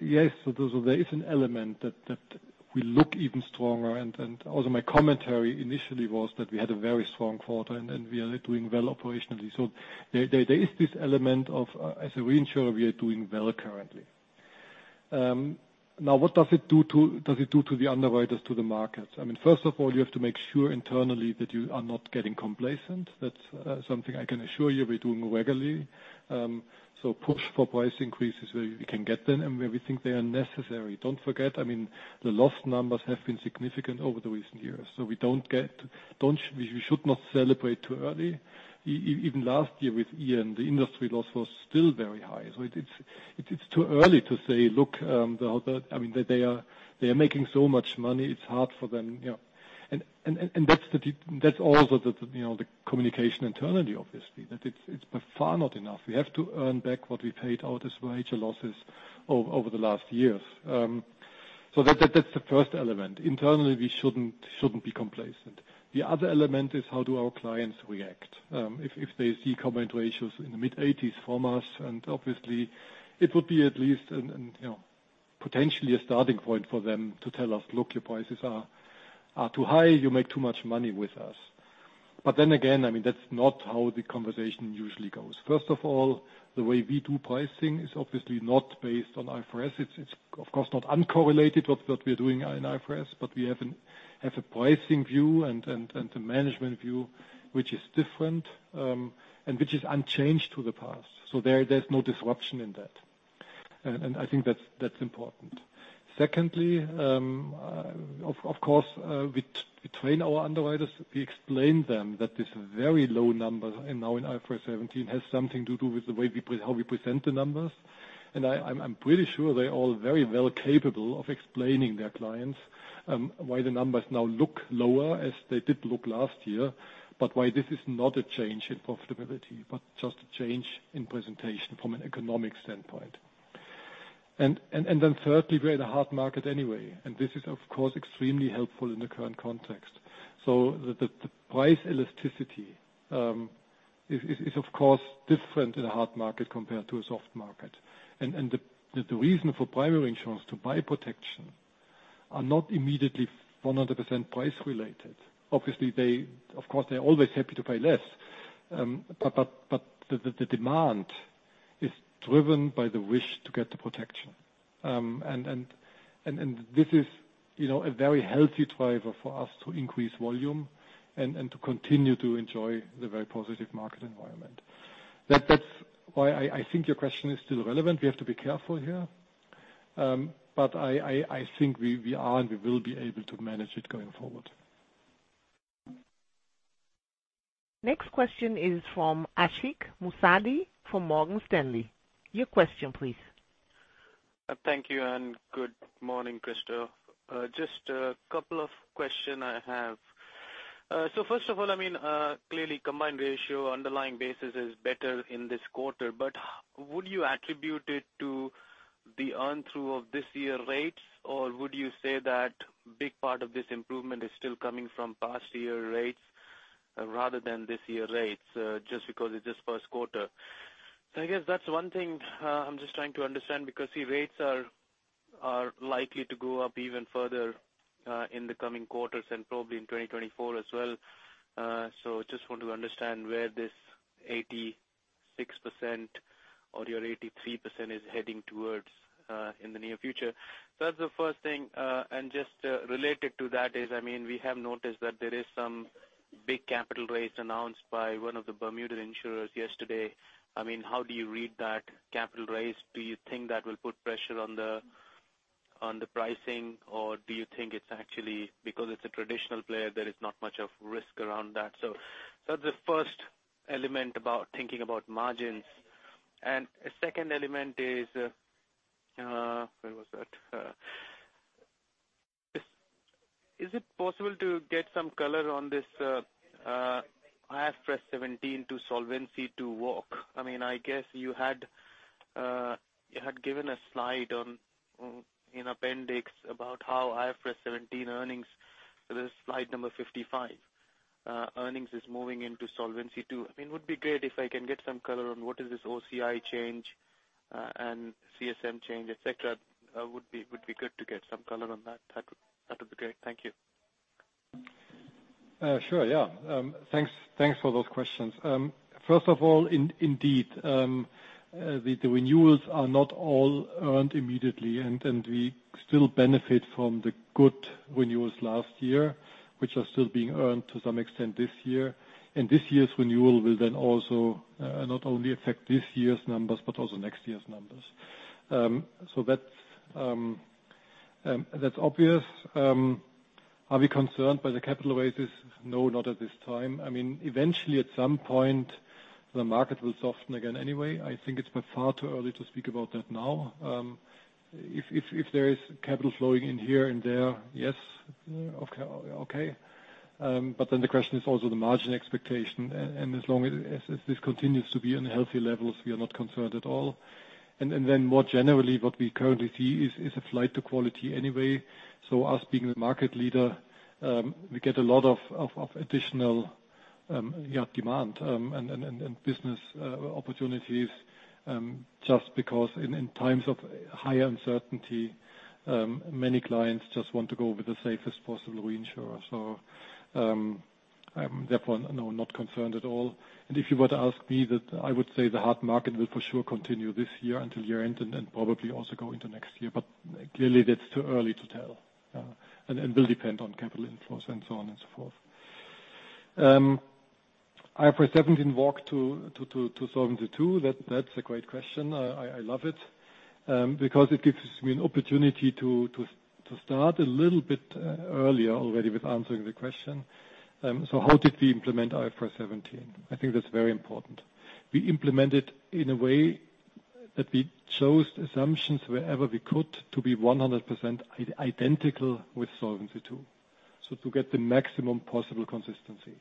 Yes, there is an element that we look even stronger. Also my commentary initially was that we had a very strong quarter, and we are doing well operationally. There is this element of as a reinsurer, we are doing well currently. Now what does it do to the underwriters, to the market? I mean, first of all, you have to make sure internally that you are not getting complacent. That's something I can assure you we're doing regularly. Push for price increases where we can get them, and where we think they are necessary. Don't forget, I mean, the loss numbers have been significant over the recent years, so we should not celebrate too early. Even last year with Ian, the industry loss was still very high. It's too early to say, "Look, I mean, they are making so much money, it's hard for them," you know. That's also the, you know, the communication internally, obviously, that it's by far not enough. We have to earn back what we paid out as wage losses over the last years. That's the first element. Internally, we shouldn't be complacent. The other element is how do our clients react? If they see combined ratios in the mid-80s from us, obviously it would be at least, you know, potentially a starting point for them to tell us, "Look, your prices are too high. You make too much money with us." Then again, I mean, that's not how the conversation usually goes. First of all, the way we do pricing is obviously not based on IFRS. It's of course not uncorrelated what we are doing in IFRS, but we have a pricing view and a management view which is different, and which is unchanged to the past. There's no disruption in that. I think that's important. Secondly, of course, we train our underwriters. We explain them that this very low number, and now in IFRS 17, has something to do with the way we how we present the numbers. I'm pretty sure they're all very well capable of explaining their clients why the numbers now look lower as they did look last year, but why this is not a change in profitability, but just a change in presentation from an economic standpoint. Then thirdly, we're in a hard market anyway, and this is of course extremely helpful in the current context. The price elasticity is of course different in a hard market compared to a soft market. The reason for primary insurance to buy protection are not immediately 100% price related. Obviously, they, of course, they're always happy to pay less. The demand is driven by the wish to get the protection. This is, you know, a very healthy driver for us to increase volume and to continue to enjoy the very positive market environment. That's why I think your question is still relevant. We have to be careful here. I think we are and we will be able to manage it going forward. Next question is from Hadley Cohen, from Morgan Stanley. Your question please. Thank you, good morning, Christoph. Just a couple of question I have. First of all, I mean, clearly combined ratio underlying basis is better in this quarter. Would you attribute it to the earn through of this year rates, or would you say that big part of this improvement is still coming from past year rates rather than this year rates, just because it's just first quarter? I guess that's one thing, I'm just trying to understand, because the rates are likely to go up even further, in the coming quarters and probably in 2024 as well. Just want to understand where this 86% or your 83% is heading towards, in the near future. That's the first thing. Just, related to that is, I mean, we have noticed that there is some big capital raise announced by one of the Bermuda insurers yesterday. I mean, how do you read that capital raise? Do you think that will put pressure on the, on the pricing, or do you think it's actually because it's a traditional player, there is not much of risk around that? That's the first element about thinking about margins. A second element is, where was that? Is it possible to get some color on this IFRS 17 to Solvency II walk? I mean, I guess you had given a slide on, in appendix about how IFRS 17 earnings, the slide number 55, earnings is moving into Solvency II. I mean, would be great if I can get some color on what is this OCI change, and CSM change, et cetera. Would be good to get some color on that. That would be great. Thank you. Sure. Yeah. Thanks. Thanks for those questions. First of all, indeed, the renewals are not all earned immediately, and we still benefit from the good renewals last year, which are still being earned to some extent this year. This year's renewal will then also not only affect this year's numbers, but also next year's numbers. That's obvious. Are we concerned by the capital raises? No, not at this time. I mean, eventually, at some point, the market will soften again anyway. I think it's by far too early to speak about that now. If there is capital flowing in here and there, yes, okay. The question is also the margin expectation. As long as this continues to be on healthy levels, we are not concerned at all. Then more generally, what we currently see is a flight to quality anyway. Us being the market leader, we get a lot of additional demand and business opportunities just because in times of higher uncertainty, many clients just want to go with the safest possible reinsurer. I'm therefore not concerned at all. If you were to ask me that, I would say the hard market will for sure continue this year until year-end and probably also go into next year. Clearly, that's too early to tell and will depend on capital inflows and so on and so forth. I presented in walk to Solvency II. That's a great question. I love it, because it gives me an opportunity to start a little bit earlier already with answering the question. How did we implement IFRS 17? I think that's very important. We implemented in a way that we chose assumptions wherever we could to be 100% identical with Solvency II, to get the maximum possible consistency.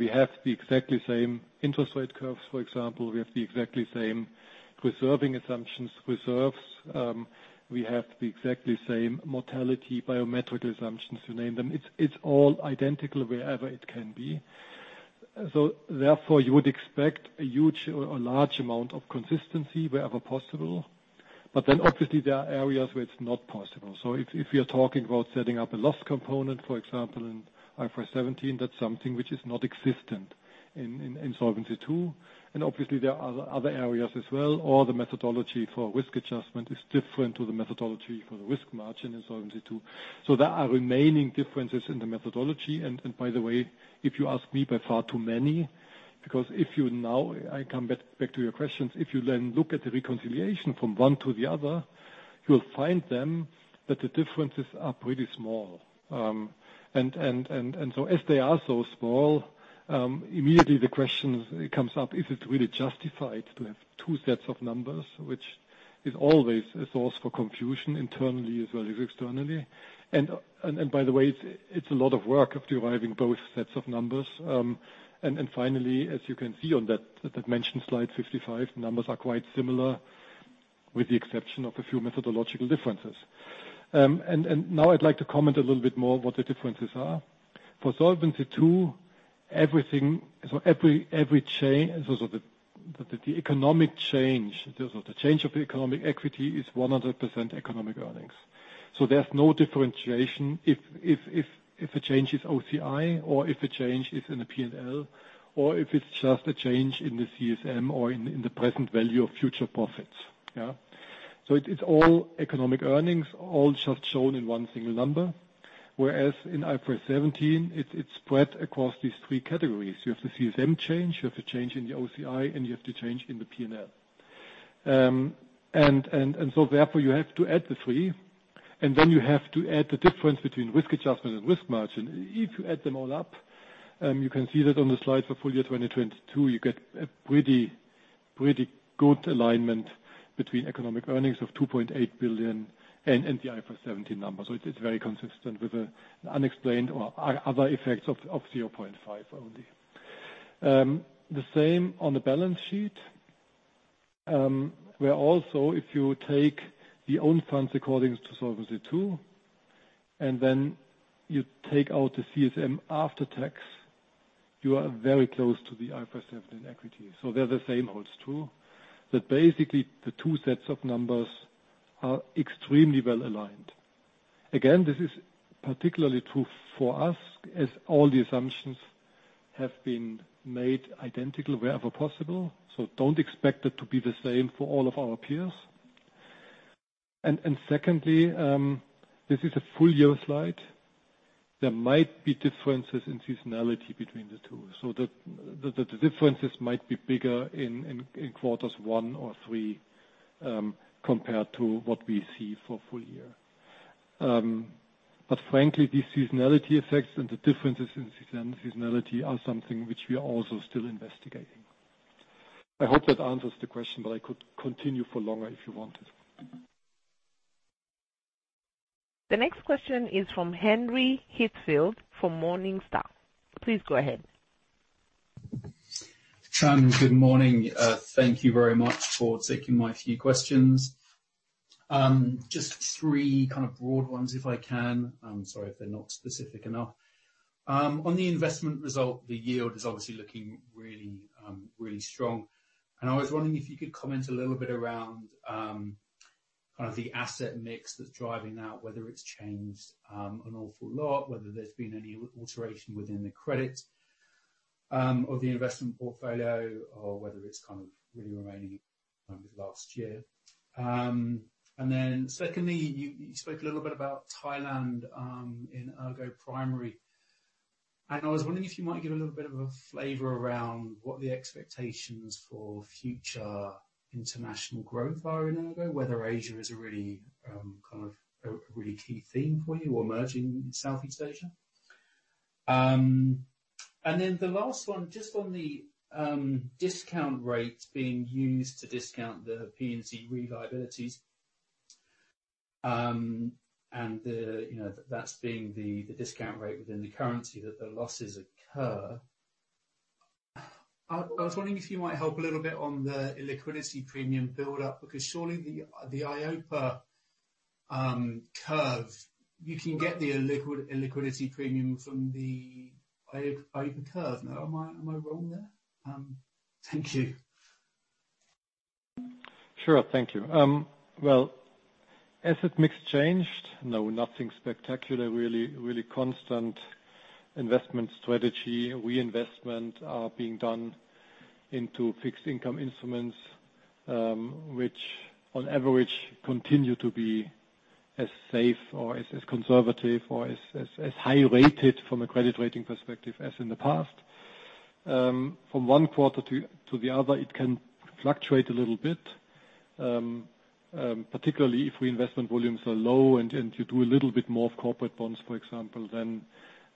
We have the exactly same interest rate curves, for example. We have the exactly same reserving assumptions, reserves. We have the exactly same mortality, biometric assumptions, you name them. It's all identical wherever it can be. Therefore, you would expect a huge or a large amount of consistency wherever possible. Obviously, there are areas where it's not possible. If you're talking about setting up a loss component, for example, in IFRS 17, that's something which is not existent in Solvency II. Obviously, there are other areas as well, or the methodology for risk adjustment is different to the methodology for the risk margin in Solvency II. There are remaining differences in the methodology. By the way, if you ask me by far too many, because if you now, I come back to your questions, if you then look at the reconciliation from one to the other, you'll find them that the differences are pretty small. As they are so small, immediately the question comes up, is it really justified to have two sets of numbers, which is always a source for confusion internally as well as externally. By the way, it's a lot of work of deriving both sets of numbers. Finally, as you can see on that mentioned slide 55, numbers are quite similar, with the exception of a few methodological differences. Now I'd like to comment a little bit more what the differences are. For Solvency II, everything, so every so the economic change, the change of economic equity is 100% economic earnings. There's no differentiation if a change is OCI or if a change is in a P&L or if it's just a change in the CSM or in the present value of future profits. Yeah. It's all economic earnings, all just shown in one single number. Whereas in IFRS 17, it's spread across these three categories. You have the CSM change, you have the change in the OCI, and you have to change in the P&L. Therefore, you have to add the three, and then you have to add the difference between risk adjustment and risk margin. If you add them all up, you can see that on the slide for full year 2022, you get a pretty good alignment between economic earnings of 2.8 billion and the IFRS 17 numbers. It is very consistent with the unexplained or other effects of 0.5 only. The same on the balance sheet, where also if you take the own funds according to Solvency II, and then you take out the CSM after tax, you are very close to the IFRS 17 equity. There the same holds true, that basically the two sets of numbers are extremely well-aligned. Again, this is particularly true for us as all the assumptions have been made identical wherever possible. Don't expect it to be the same for all of our peers. Secondly, this is a full-year slide. There might be differences in seasonality between the two. The differences might be bigger in quarters one or three compared to what we see for full year. Frankly, these seasonality effects and the differences in seasonality are something which we are also still investigating. I hope that answers the question, but I could continue for longer if you wanted. The next question is from Henry Heathfield from Morningstar. Please go ahead. Sam, good morning. Thank you very much for taking my few questions. Just three kind of broad ones if I can. I'm sorry if they're not specific enough. On the investment result, the yield is obviously looking really, really strong. I was wondering if you could comment a little bit around kind of the asset mix that's driving that, whether it's changed an awful lot, whether there's been any alteration within the credit of the investment portfolio or whether it's kind of really remaining from this last year. Secondly, you spoke a little bit about Thailand in ERGO Primary. I was wondering if you might give a little bit of a flavor around what the expectations for future international growth are in ERGO, whether Asia is a really, kind of, a really key theme for you or emerging in Southeast Asia. The last one, just on the discount rate being used to discount the P&C re-liabilities, and the, you know, that's being the discount rate within the currency that the losses occur. I was wondering if you might help a little bit on the illiquidity premium build up, because surely the IOPA curve, you can get the illiquidity premium from the IOPA curve. Now am I wrong there? Thank you. Sure. Thank you. Well, asset mix changed. Nothing spectacular, really constant investment strategy. Reinvestment are being done into fixed income instruments, which on average continue to be as safe or as conservative or as high rated from a credit rating perspective as in the past. From one quarter to the other, it can fluctuate a little bit, particularly if investment volumes are low and you do a little bit more of corporate bonds, for example, then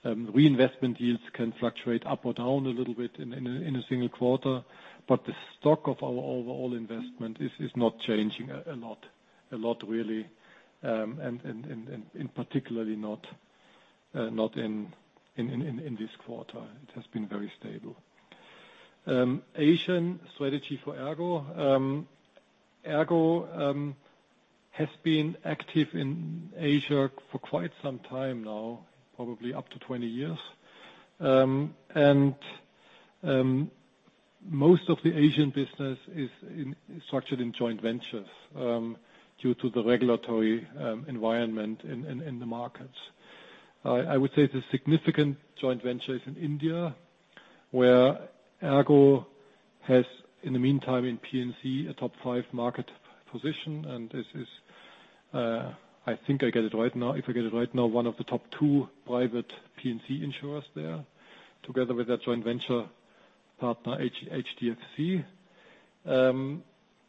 reinvestment yields can fluctuate up or down a little bit in a single quarter. The stock of our overall investment is not changing a lot really. Particularly not in this quarter. It has been very stable. Asian strategy for ERGO. ERGO has been active in Asia for quite some time now, probably up to 20 years. Most of the Asian business is structured in joint ventures due to the regulatory environment in the markets. I would say the significant joint venture is in India, where ERGO has, in the meantime, in P&C, a top five market position, and I think I get it right now. If I get it right now, one of the top two private P&C insurers there, together with their joint venture partner, HDFC.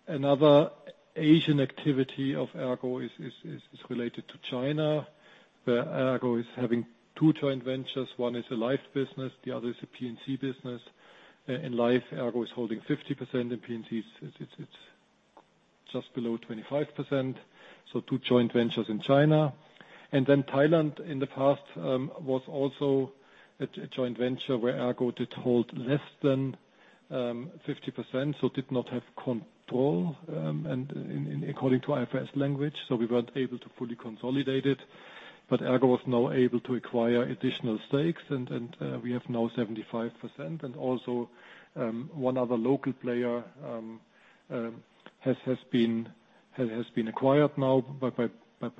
Another Asian activity of ERGO is related to China, where ERGO is having two joint ventures. One is a Life business, the other is a P&C business. In Life, ERGO is holding 50%. In P&C, it's just below 25%. Two joint ventures in China. Thailand in the past, was also a joint venture where ERGO did hold less than 50%, so did not have control, and according to IFRS language, so we weren't able to fully consolidate it. ERGO was now able to acquire additional stakes and we have now 75%. Also, one other local player has been acquired now by the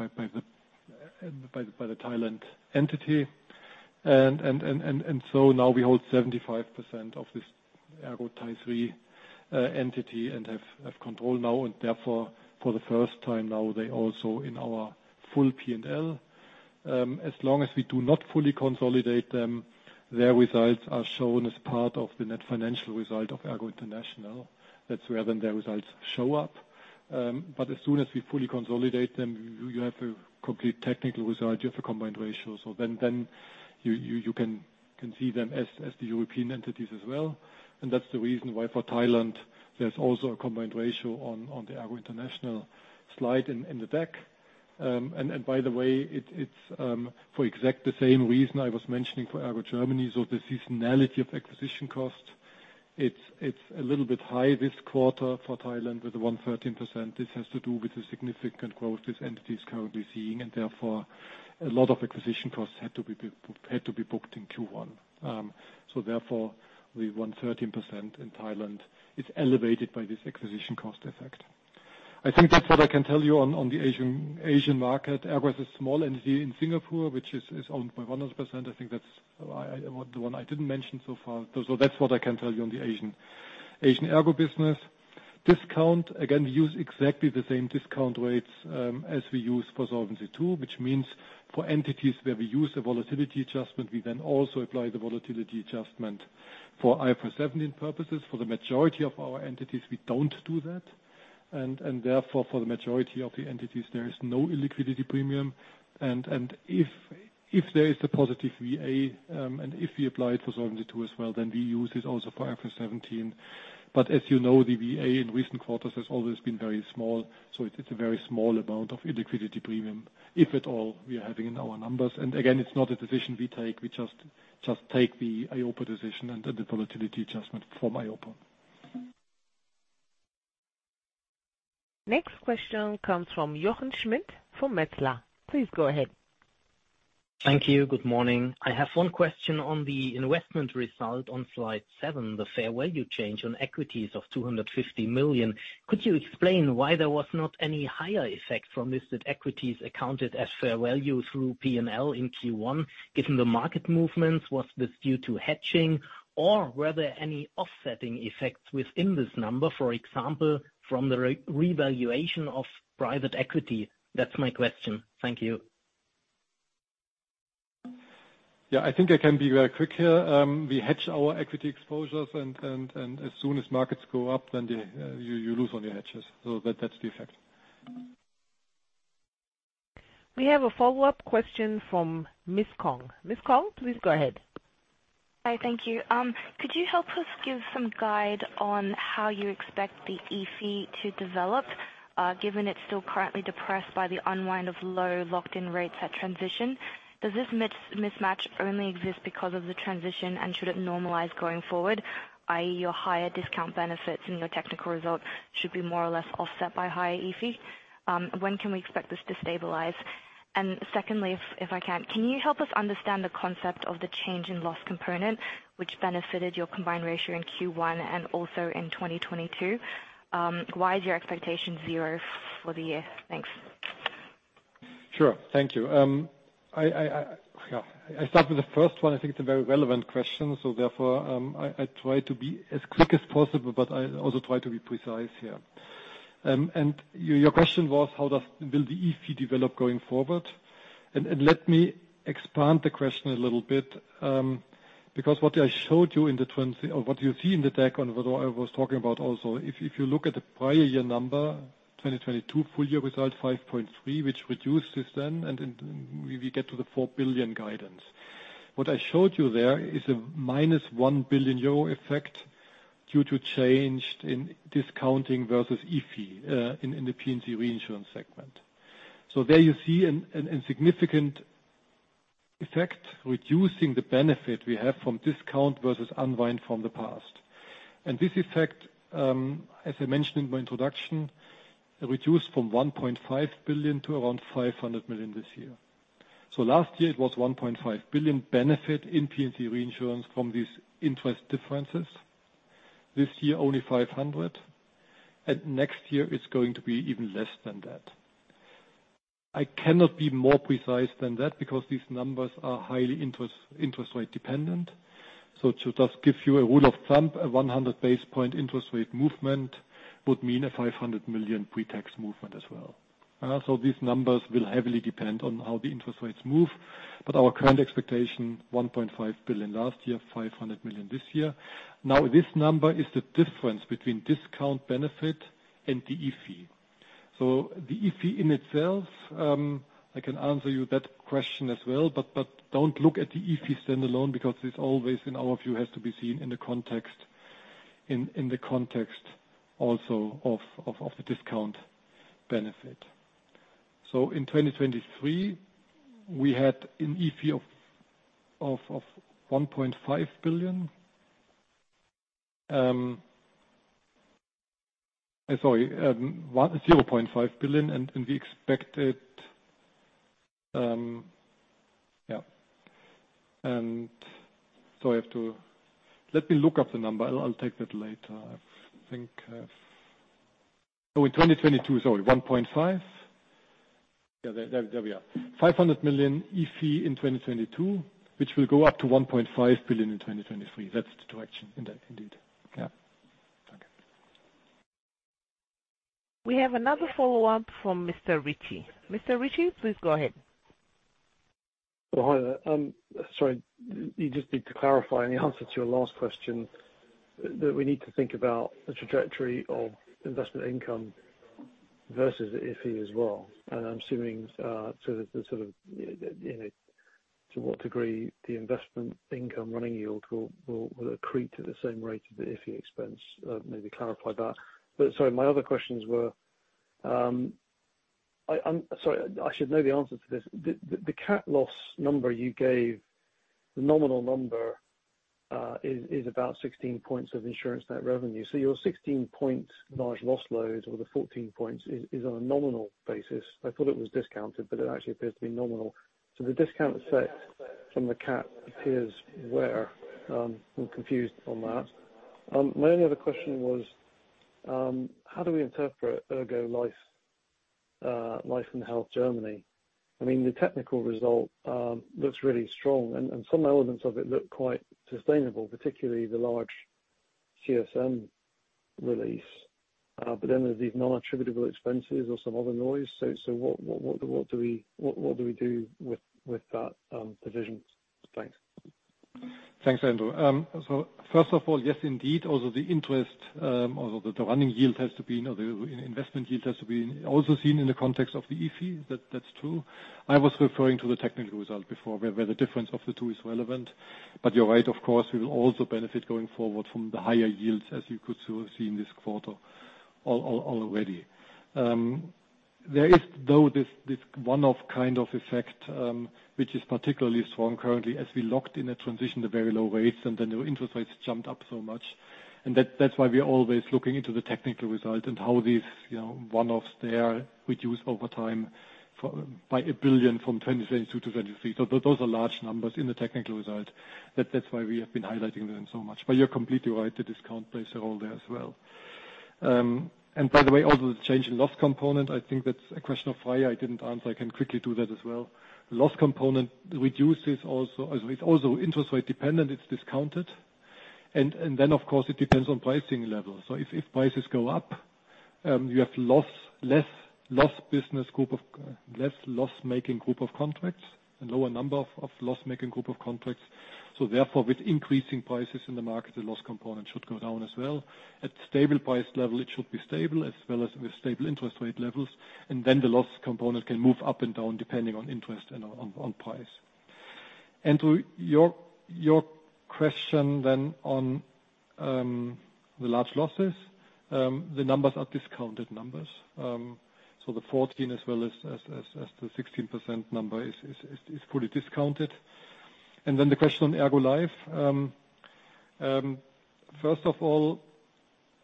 Thailand entity. Now we hold 75% of this ERGO Thaivivam entity and have control now. Therefore, for the first time now, they also in our full P&L. As long as we do not fully consolidate them, their results are shown as part of the net financial result of ERGO International. That's where their results show up. As soon as we fully consolidate them, you have a complete technical result. You have a combined ratio. You can see them as the European entities as well. That's the reason why for Thailand, there's also a combined ratio on the ERGO International slide in the back. And by the way, it's for exact the same reason I was mentioning for ERGO Germany. The seasonality of acquisition costs, it's a little bit high this quarter for Thailand with the 113%. This has to do with the significant growth this entity is currently seeing, and therefore a lot of acquisition costs had to be booked in Q1. Therefore, the 113% in Thailand is elevated by this acquisition cost effect. I think that's what I can tell you on the Asian market. AGCO has a small entity in Singapore, which is owned by 100%. I think that's why the one I didn't mention so far. That's what I can tell you on the Asian AGCO business. Discount, again, we use exactly the same discount rates as we use for Solvency II, which means for entities where we use the volatility adjustment, we then also apply the volatility adjustment for IFRS 17 purposes. For the majority of our entities, we don't do that. Therefore, for the majority of the entities, there is no illiquidity premium. If there is a positive VA, and if we apply it for Solvency II as well, then we use this also for IFRS 17. As you know, the VA in recent quarters has always been very small, so it's a very small amount of illiquidity premium, if at all, we are having in our numbers. Again, it's not a decision we take. We just take the IOPA decision and the volatility adjustment from IOPA. Next question comes from Jochen Schmitt, from Metzler. Please go ahead. Thank you. Good morning. I have one question on the investment result on slide seven, the fair value change on equities of 250 million. Could you explain why there was not any higher effect from listed equities accounted as fair value through P&L in Q1, given the market movements? Was this due to hedging or were there any offsetting effects within this number, for example, from the re-revaluation of private equity? That's my question. Thank you. Yeah, I think I can be very quick here. We hedge our equity exposures and as soon as markets go up then you lose on your hedges. That's the effect. We have a follow-up question from Miss Kong. Miss Kong, please go ahead. Hi. Thank you. Could you help us give some guide on how you expect the EFY to develop, given it's still currently depressed by the unwind of low locked-in rates at transition? Does this mismatch only exist because of the transition and should it normalize going forward, i.e. your higher discount benefits and your technical result should be more or less offset by higher EFY? When can we expect this to stabilize? Secondly, if I can you help us understand the concept of the change in loss component which benefited your combined ratio in Q1 and also in 2022? Why is your expectation zero for the year? Thanks. Sure. Thank you. I, yeah. I start with the first one. I think it's a very relevant question, so therefore, I try to be as quick as possible, but I also try to be precise here. Your question was, how will the fee develop going forward? Let me expand the question a little bit, because what I showed you in what you see in the deck on what I was talking about also, if you look at the prior year number, 2022 full year result 5.3, which reduced this then we get to the 4 billion guidance. What I showed you there is a minus 1 billion euro effect due to change in discounting versus OCI in the Property-Casualty reinsurance segment. There you see an insignificant effect, reducing the benefit we have from discount versus unwind from the past. This effect, as I mentioned in my introduction, reduced from 1.5 billion to around 500 million this year. Last year it was 1.5 billion benefit in Property-Casualty reinsurance from these interest differences. This year, only 500 million, and next year it's going to be even less than that. I cannot be more precise than that because these numbers are highly interest rate dependent. To just give you a rule of thumb, a 100 basis point interest rate movement would mean a 500 million pre-tax movement as well. These numbers will heavily depend on how the interest rates move, but our current expectation, 1.5 billion last year, 500 million this year. This number is the difference between discount benefit and the OCI. The OCI in itself, I can answer you that question as well, but don't look at the OCI standalone because it always, in our view, has to be seen in the context, in the context also of the discount benefit. In 2023, we had an OCI of 1.5 billion. Sorry, 0.5 billion, and we expected, yeah. Let me look up the number. I'll take that later. I think, oh, in 2022, sorry, 1.5 billion. Yeah, there we are. 500 million OCI in 2022, which will go up to 1.5 billion in 2023. That's the direction indeed. Yeah. Okay. We have another follow-up from Mr. Ritchie. Mr. Ritchie, please go ahead. Hi there. Sorry. You just need to clarify in the answer to your last question that we need to think about the trajectory of investment income versus the OCI as well. I'm assuming, so the sort of, you know, to what degree the investment income running yield will accrete at the same rate as the OCI expense. Maybe clarify that. Sorry, my other questions were, I, sorry, I should know the answer to this. The CAT loss number you gave, the nominal number, is about 16 points of insurance net revenue. Your 16 points large loss load or the 14 points is on a nominal basis. I thought it was discounted, but it actually appears to be nominal. The discount effect from the CAT appears where? I'm confused on that. My only other question was, how do we interpret ERGO Life and Health Germany? I mean, the technical result, looks really strong, and some elements of it look quite sustainable, particularly the large CSM release. Then there's these non-attributable expenses or some other noise. What do we do with that division? Thanks. Thanks, Andrew. First of all, yes, indeed, also the interest, or the running yield has to be, you know, the investment yield has to be also seen in the context of the EFE. That's true. I was referring to the technical result before, where the difference of the two is relevant. You're right, of course, we will also benefit going forward from the higher yields, as you could sort of see in this quarter already. There is though, this one-off kind of effect, which is particularly strong currently as we locked in a transition to very low rates and the new interest rates jumped up so much. That's why we're always looking into the technical result and how these, you know, one-offs there reduce over time for, by 1 billion from 2022 to 2023. Those are large numbers in the technical result. That's why we have been highlighting them so much. You're completely right. The discount plays a role there as well. By the way, also the change in loss component, I think that's a question of why I didn't answer. I can quickly do that as well. loss component reduces also, it's also interest rate dependent. It's discounted. Then, of course, it depends on pricing levels. If prices go up, you have less loss business group of less loss-making group of contracts, a lower number of loss-making group of contracts. Therefore, with increasing prices in the market, the loss component should go down as well. At stable price level, it should be stable as well as with stable interest rate levels. The loss component can move up and down depending on interest and on price. Andrew, your question on the large losses, the numbers are discounted numbers. So the 14 as well as the 16% number is fully discounted. The question on ERGO Life. First of all,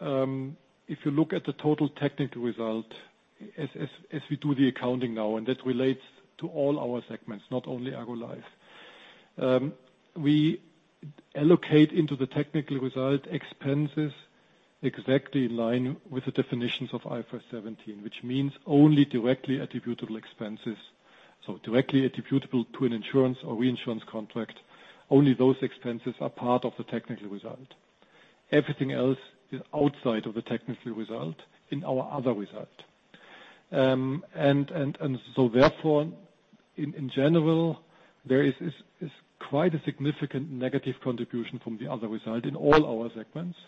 if you look at the total technical result as we do the accounting now, and that relates to all our segments, not only ERGO Life. We allocate into the technical result expenses exactly in line with the definitions of IFRS 17, which means only directly attributable expenses. So directly attributable to an insurance or reinsurance contract, only those expenses are part of the technical result. Everything else is outside of the technical result in our other result. Therefore, in general, there is quite a significant negative contribution from the other result in all our segments.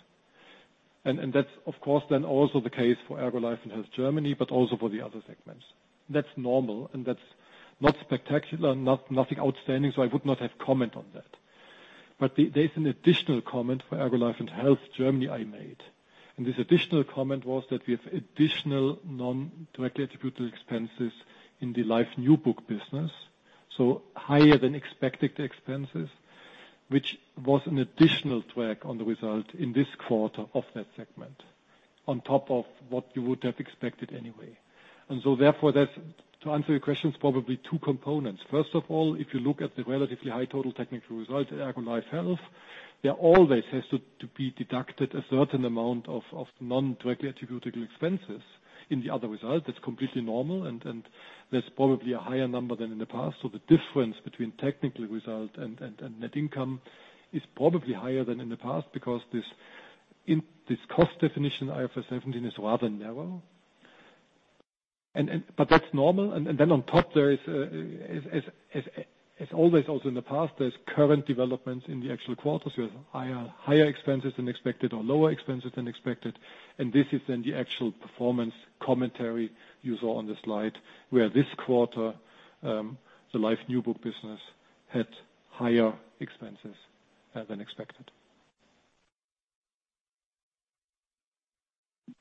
That's of course then also the case for ERGO Life and Health Germany, but also for the other segments. That's normal, and that's not spectacular, nothing outstanding, so I would not have comment on that. There's an additional comment for ERGO Life and Health Germany I made. This additional comment was that we have additional non-directly attributable expenses in the life new book business, so higher than expected expenses, which was an additional track on the result in this quarter of that segment, on top of what you would have expected anyway. Therefore, to answer your questions, probably two components. First of all, if you look at the relatively high total technical result at ERGO Life and Health, there always has to be deducted a certain amount of non-directly attributable expenses. In the other result, that's completely normal and there's probably a higher number than in the past. The difference between technical result and net income is probably higher than in the past because this, in this cost definition, IFRS 17 is rather narrow. That's normal. Then on top, there is as always, also in the past, there's current developments in the actual quarters. There's higher expenses than expected or lower expenses than expected. This is then the actual performance commentary you saw on the slide, where this quarter, the life new book business had higher expenses than expected.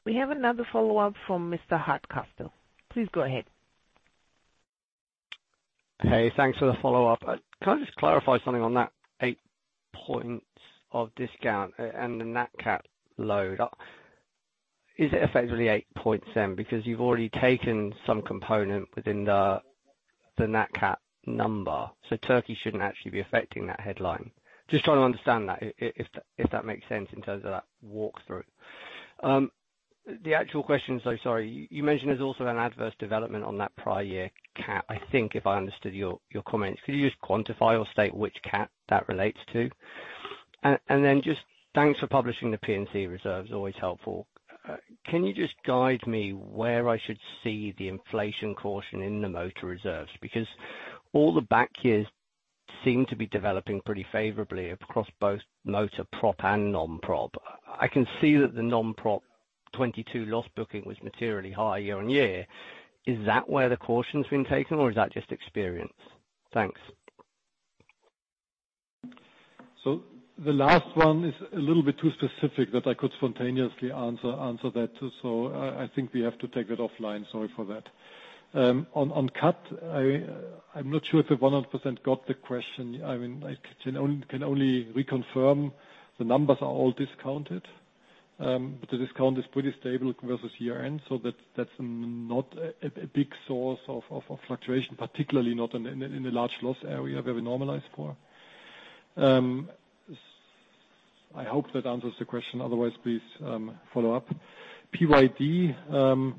We have another follow-up from Mr. Hardcastle. Please go ahead. Hey, thanks for the follow-up. Can I just clarify something on that 8 points of discount and the Nat Cat load? Is it effectively 8 points then? Because you've already taken some component within the Nat Cat number, so Turkey shouldn't actually be affecting that headline. Just trying to understand that, if that makes sense in terms of that walkthrough. The actual question, so sorry. You mentioned there's also an adverse development on that prior year cat, I think, if I understood your comments. Could you just quantify or state which cat that relates to? Then just thanks for publishing the P&C reserves. Always helpful. Can you just guide me where I should see the inflation caution in the motor reserves? Because all the back years seem to be developing pretty favorably across both motor prop and non-prop. I can see that the non-prop 22 loss booking was materially higher year-on-year. Is that where the caution's been taken, or is that just experience? Thanks. The last one is a little bit too specific that I could spontaneously answer that. I think we have to take that offline. Sorry for that. On CAT, I'm not sure if I 100% got the question. I mean, I can only reconfirm the numbers are all discounted. But the discount is pretty stable versus year-end, that's not a big source of fluctuation, particularly not in a large loss area where we normalize for. I hope that answers the question. Otherwise, please follow up. PYD,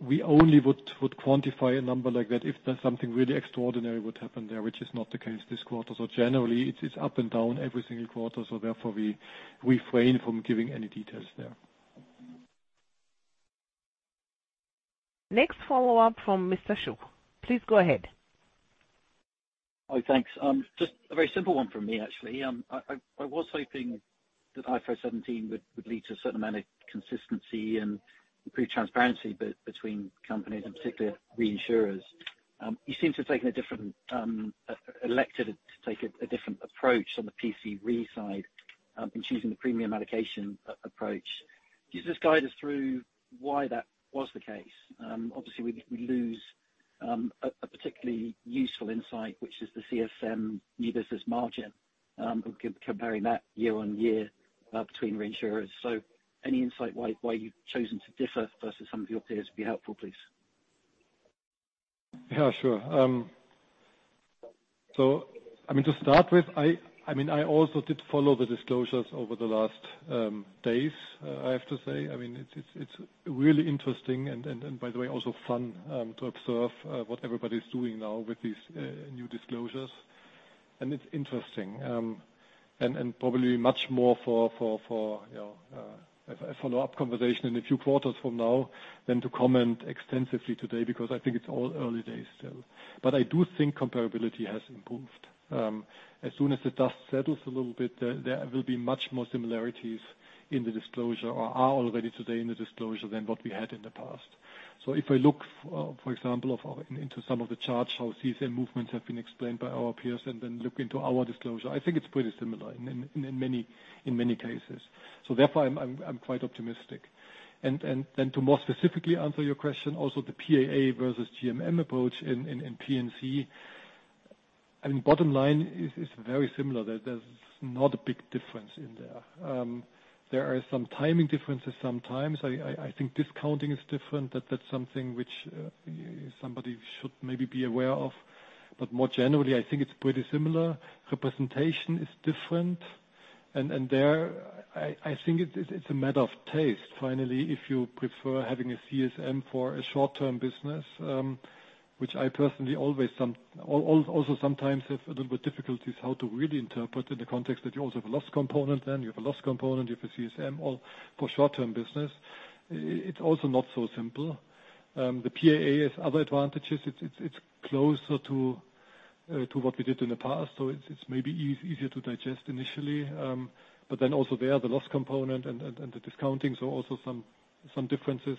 we only would quantify a number like that if there's something really extraordinary would happen there, which is not the case this quarter. Generally, it's up and down every single quarter. Therefore, we refrain from giving any details there. Next follow-up from Mr. Shuck. Please go ahead. Oh, thanks. just a very simple one from me, actually. I was hoping that IFRS 17 would lead to a certain amount of consistency and improved transparency between companies, and particularly reinsurers. You seem to have taken a different, elected to take a different approach on the P&C re side, in choosing the premium allocation approach. Can you just guide us through why that was the case? Obviously, we lose a particularly useful insight, which is the CSM new business margin, of comparing that year-over-year between reinsurers. Any insight why you've chosen to differ versus some of your peers would be helpful, please. Sure. I mean, to start with, I mean, I also did follow the disclosures over the last days, I have to say. I mean, it's, it's really interesting and, and by the way, also fun to observe what everybody's doing now with these new disclosures. It's interesting, and probably much more for, for, you know, a follow-up conversation in a few quarters from now than to comment extensively today because I think it's all early days still. I do think comparability has improved. As soon as the dust settles a little bit, there will be much more similarities in the disclosure or are already today in the disclosure than what we had in the past. If I look, for example, into some of the charts, how CSM movements have been explained by our peers and then look into our disclosure, I think it's pretty similar in many cases. Therefore, I'm quite optimistic. Then to more specifically answer your question, also the PAA versus GMM approach in P&C. I mean, bottom line is very similar. There's not a big difference in there. There are some timing differences sometimes. I think discounting is different. That's something which somebody should maybe be aware of. More generally, I think it's pretty similar. Representation is different. There, I think it's a matter of taste finally, if you prefer having a CSM for a short-term business, which I personally always sometimes have a little bit difficulties how to really interpret in the context that you also have a loss component then. You have a loss component, you have a CSM, all for short-term business. It's also not so simple. The PAA has other advantages. It's, it's closer to what we did in the past, so it's maybe easier to digest initially. Also there, the loss component and the discounting, so also some differences.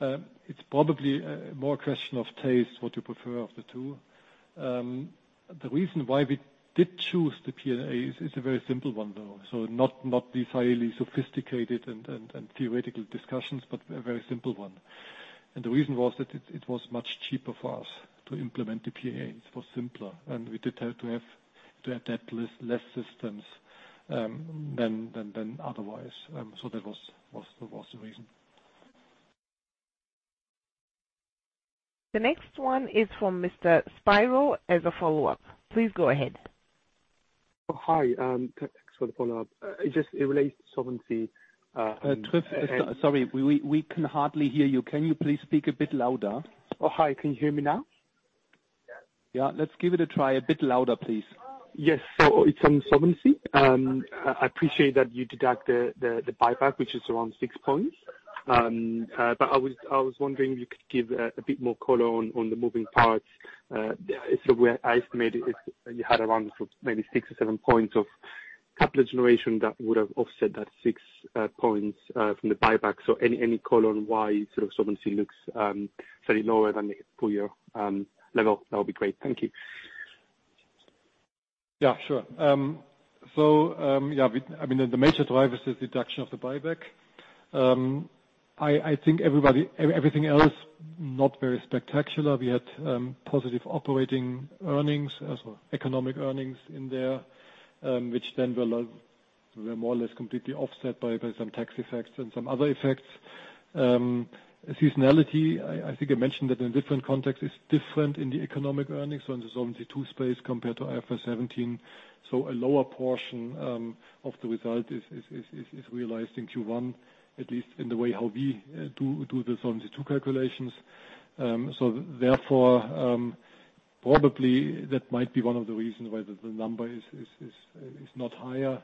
It's probably more a question of taste what you prefer of the two. The reason why we did choose the PAA is a very simple one, though. not these highly sophisticated and theoretical discussions, but a very simple one. The reason was that it was much cheaper for us to implement the PAA, it was simpler. We did have to adapt less systems than otherwise. That was the reason. The next one is from Mr. Spyrou as a follow-up. Please go ahead. Oh, hi. Thanks for the follow-up. It just, it relates to solvency. Sorry, we can hardly hear you. Can you please speak a bit louder? Oh, hi, can you hear me now? Yeah, let's give it a try. A bit louder, please. Yes. It's on solvency. I appreciate that you deduct the buyback, which is around 6 points. I was wondering if you could give a bit more color on the moving parts. Where I estimated it, you had around maybe six or seven points of capital generation that would have offset that 6 points from the buyback. Any color on why sort of solvency looks fairly lower than the full year level, that would be great. Thank you. Yeah, sure. I mean, the major driver is the deduction of the buyback. I think everything else, not very spectacular. We had positive operating earnings, also economic earnings in there, which then were more or less completely offset by some tax effects and some other effects. Seasonality, I think I mentioned that in different context, is different in the economic earnings on the Solvency II space compared to IFRS 17. A lower portion of the result is realized in Q1, at least in the way how we do the Solvency II calculations. Therefore, probably that might be one of the reasons why the number is not higher.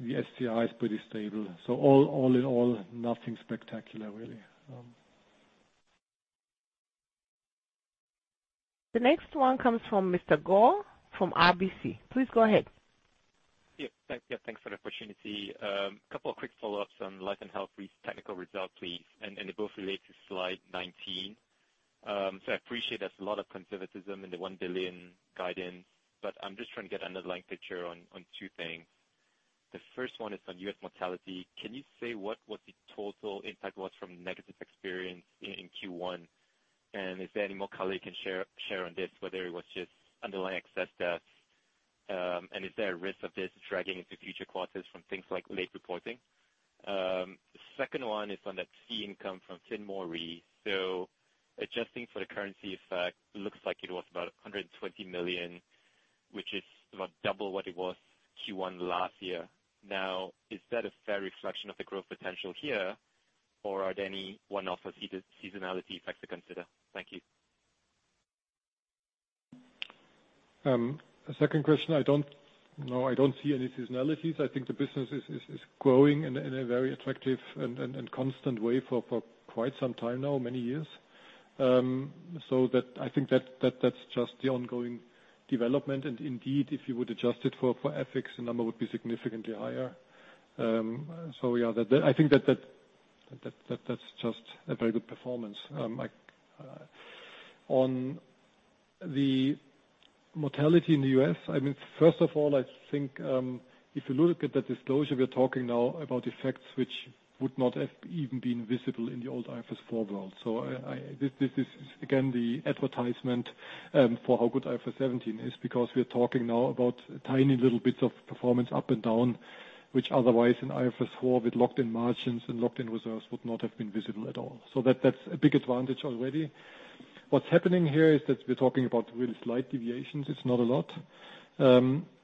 The STI is pretty stable. All in all, nothing spectacular, really. The next one comes from Mr. Goh from RBC. Please go ahead. Thanks for the opportunity. A couple of quick follow-ups on Life & Health reinsurance technical result, please. They both relate to slide 19. I appreciate there's a lot of conservatism in the 1 billion guidance, but I'm just trying to get an underlying picture on two things. The first one is on U.S. mortality. Can you say what was the total impact from negative experience in Q1? Is there any more color you can share on this, whether it was just underlying excess deaths, and is there a risk of this dragging into future quarters from things like late reporting? The second one is on that fee income from FinmaRe. Adjusting for the currency effect, looks like it was about 120 million, which is about double what it was Q1 last year. Is that a fair reflection of the growth potential here, or are there any one-off seasonality effects to consider? Thank you. The second question, I don't see any seasonality. I think the business is growing in a very attractive and constant way for quite some time now, many years. So that, I think that's just the ongoing development. Indeed, if you would adjust it for FX, the number would be significantly higher. So yeah, that, I think that's just a very good performance. Like, on the mortality in the U.S., I mean, first of all, I think, if you look at the disclosure, we're talking now about effects which would not have even been visible in the old IFRS 4 world. I, this is again, the advertisement, for how good IFRS 17 is because we're talking now about tiny little bits of performance up and down, which otherwise in IFRS 4, with locked-in margins and locked-in reserves would not have been visible at all. That's a big advantage already. What's happening here is that we're talking about really slight deviations. It's not a lot.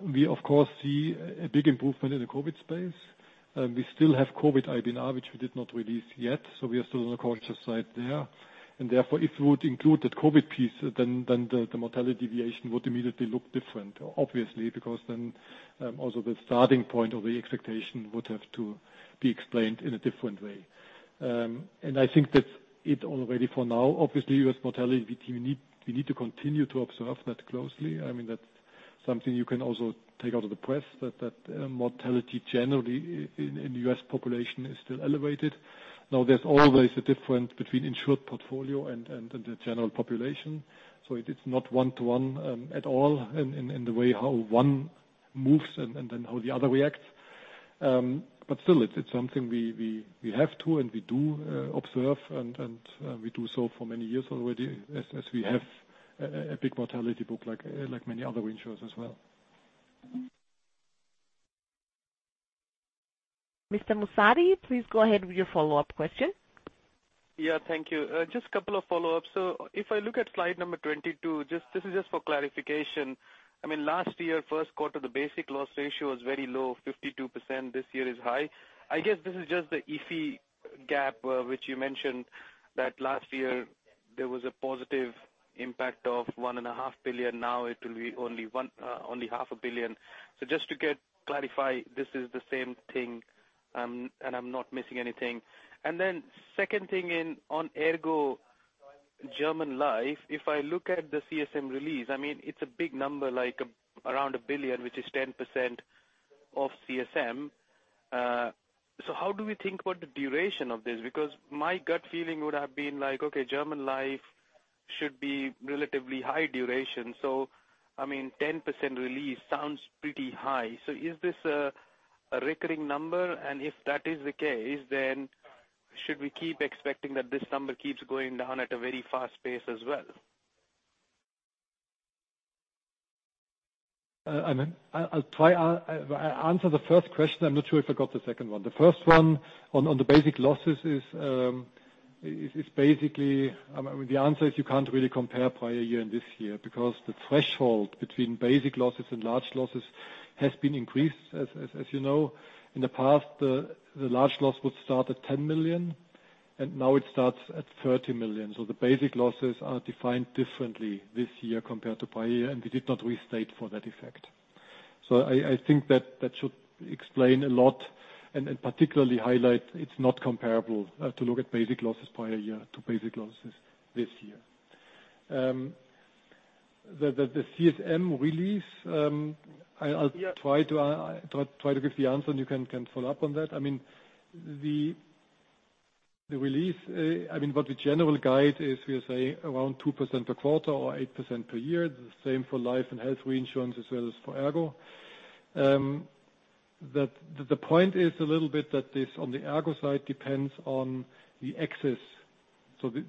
We of course see a big improvement in the COVID space. We still have COVID IBNR, which we did not release yet, so we are still on a cautious side there. Therefore, if we would include the COVID piece, then the mortality deviation would immediately look different, obviously, because then, also the starting point of the expectation would have to be explained in a different way. I think that's it already for now. Obviously, U.S. mortality, we need to continue to observe that closely. I mean, that's something you can also take out of the press, that mortality generally in U.S. population is still elevated. There's always a difference between insured portfolio and the general population, so it is not one-to-one at all in the way how one moves and then how the other reacts. Still it's something we have to and we do observe and we do so for many years already as we have a big mortality book like many other reinsurers as well. Mr. Musadi, please go ahead with your follow-up question. Yeah, thank you. Just a couple of follow-ups. If I look at slide number 22, this is just for clarification. I mean, last year, first quarter, the basic loss ratio was very low, 52%. This year is high. I guess this is just the EC gap, which you mentioned that last year there was a positive impact of 1.5 billion, now it will be only 0.5 billion. Just to get clarify, this is the same thing, and I'm not missing anything. Second thing in, on ERGO German Life, if I look at the CSM release, I mean, it's a big number, like around 1 billion, which is 10% of CSM. How do we think about the duration of this? My gut feeling would have been like, okay, German Life should be relatively high duration. I mean, 10% release sounds pretty high. Is this a recurring number? If that is the case, should we keep expecting that this number keeps going down at a very fast pace as well? I mean, I'll try answer the first question. I'm not sure if I got the second one. The first one on the basic losses is basically, the answer is you can't really compare prior year and this year because the threshold between basic losses and large losses has been increased, as you know. In the past, the large loss would start at 10 million, and now it starts at 30 million. The basic losses are defined differently this year compared to prior year, and we did not restate for that effect. I think that should explain a lot and particularly highlight it's not comparable to look at basic losses prior year to basic losses this year. The CSM release. Yeah. Try to give the answer, and you can follow up on that. I mean, the general guide is we say around 2% per quarter or 8% per year. The same for Life & Health reinsurance as well as for ERGO. The point is a little bit that this, on the ERGO side, depends on the excess, so the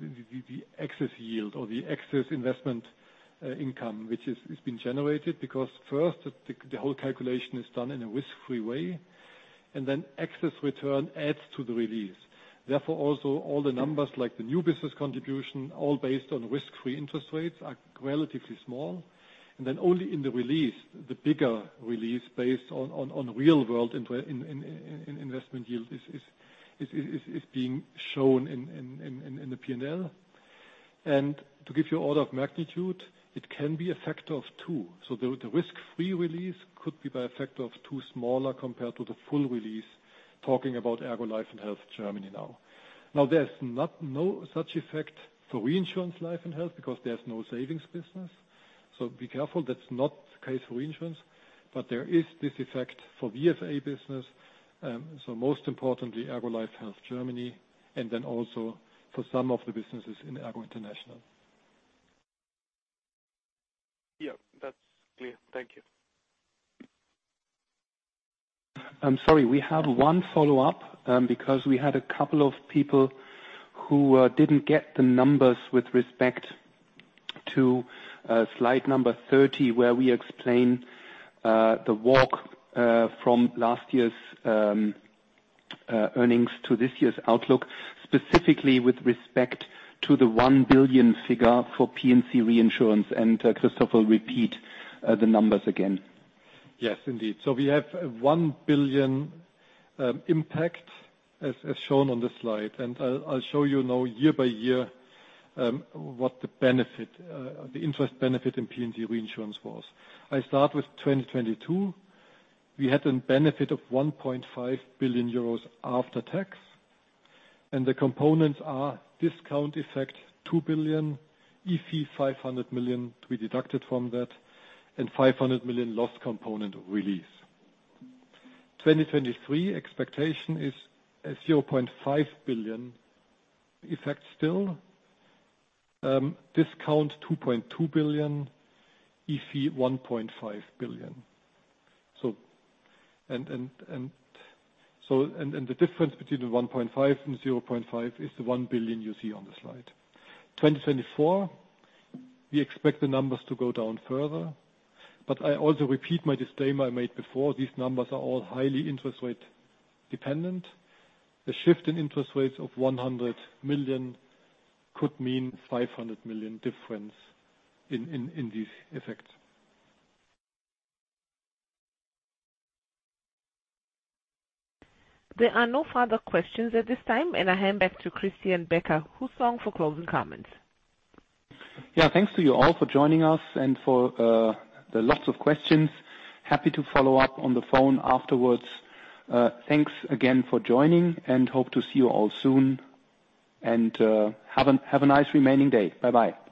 excess yield or the excess investment income, which is being generated. First, the whole calculation is done in a risk-free way, and then excess return adds to the release. Also all the numbers like the new business contribution, all based on risk-free interest rates, are relatively small. Then only in the release, the bigger release based on real world investment yield is being shown in the P&L. To give you order of magnitude, it can be a factor of two. The risk-free release could be by a factor of two smaller compared to the full release, talking about ERGO Life and Health Germany now. There's not no such effect for reinsurance Life and Health because there's no savings business. Be careful, that's not the case for reinsurance. There is this effect for VFA business, so most importantly, ERGO Life and Health Germany, and then also for some of the businesses in ERGO International. Yeah, that's clear. Thank you. I'm sorry. We have one follow-up, because we had a couple of people who didn't get the numbers with respect to slide number 30, where we explain the walk from last year's earnings to this year's outlook, specifically with respect to the 1 billion figure for P&C reinsurance. Christopher will repeat the numbers again. Yes, indeed. We have a 1 billion impact, as shown on the slide. I'll show you now year by year what the benefit, the interest benefit in P&C reinsurance was. I start with 2022. We had a benefit of 1.5 billion euros after tax, and the components are discount effect 2 billion, EC 500 million to be deducted from that, and 500 million loss component release. 2023, expectation is a 0.5 billion effect still. Discount 2.2 billion, EC 1.5 billion. The difference between the 1.5 and 0.5 is the 1 billion you see on the slide. 2024, we expect the numbers to go down further. I also repeat my disclaimer I made before. These numbers are all highly interest rate dependent. A shift in interest rates of 100 million could mean 500 million difference in these effects. There are no further questions at this time. I hand back to Christian Becker-Hussong, who's along for closing comments. Thanks to you all for joining us and for the lots of questions. Happy to follow up on the phone afterwards. Thanks again for joining and hope to see you all soon. Have a nice remaining day. Bye-bye.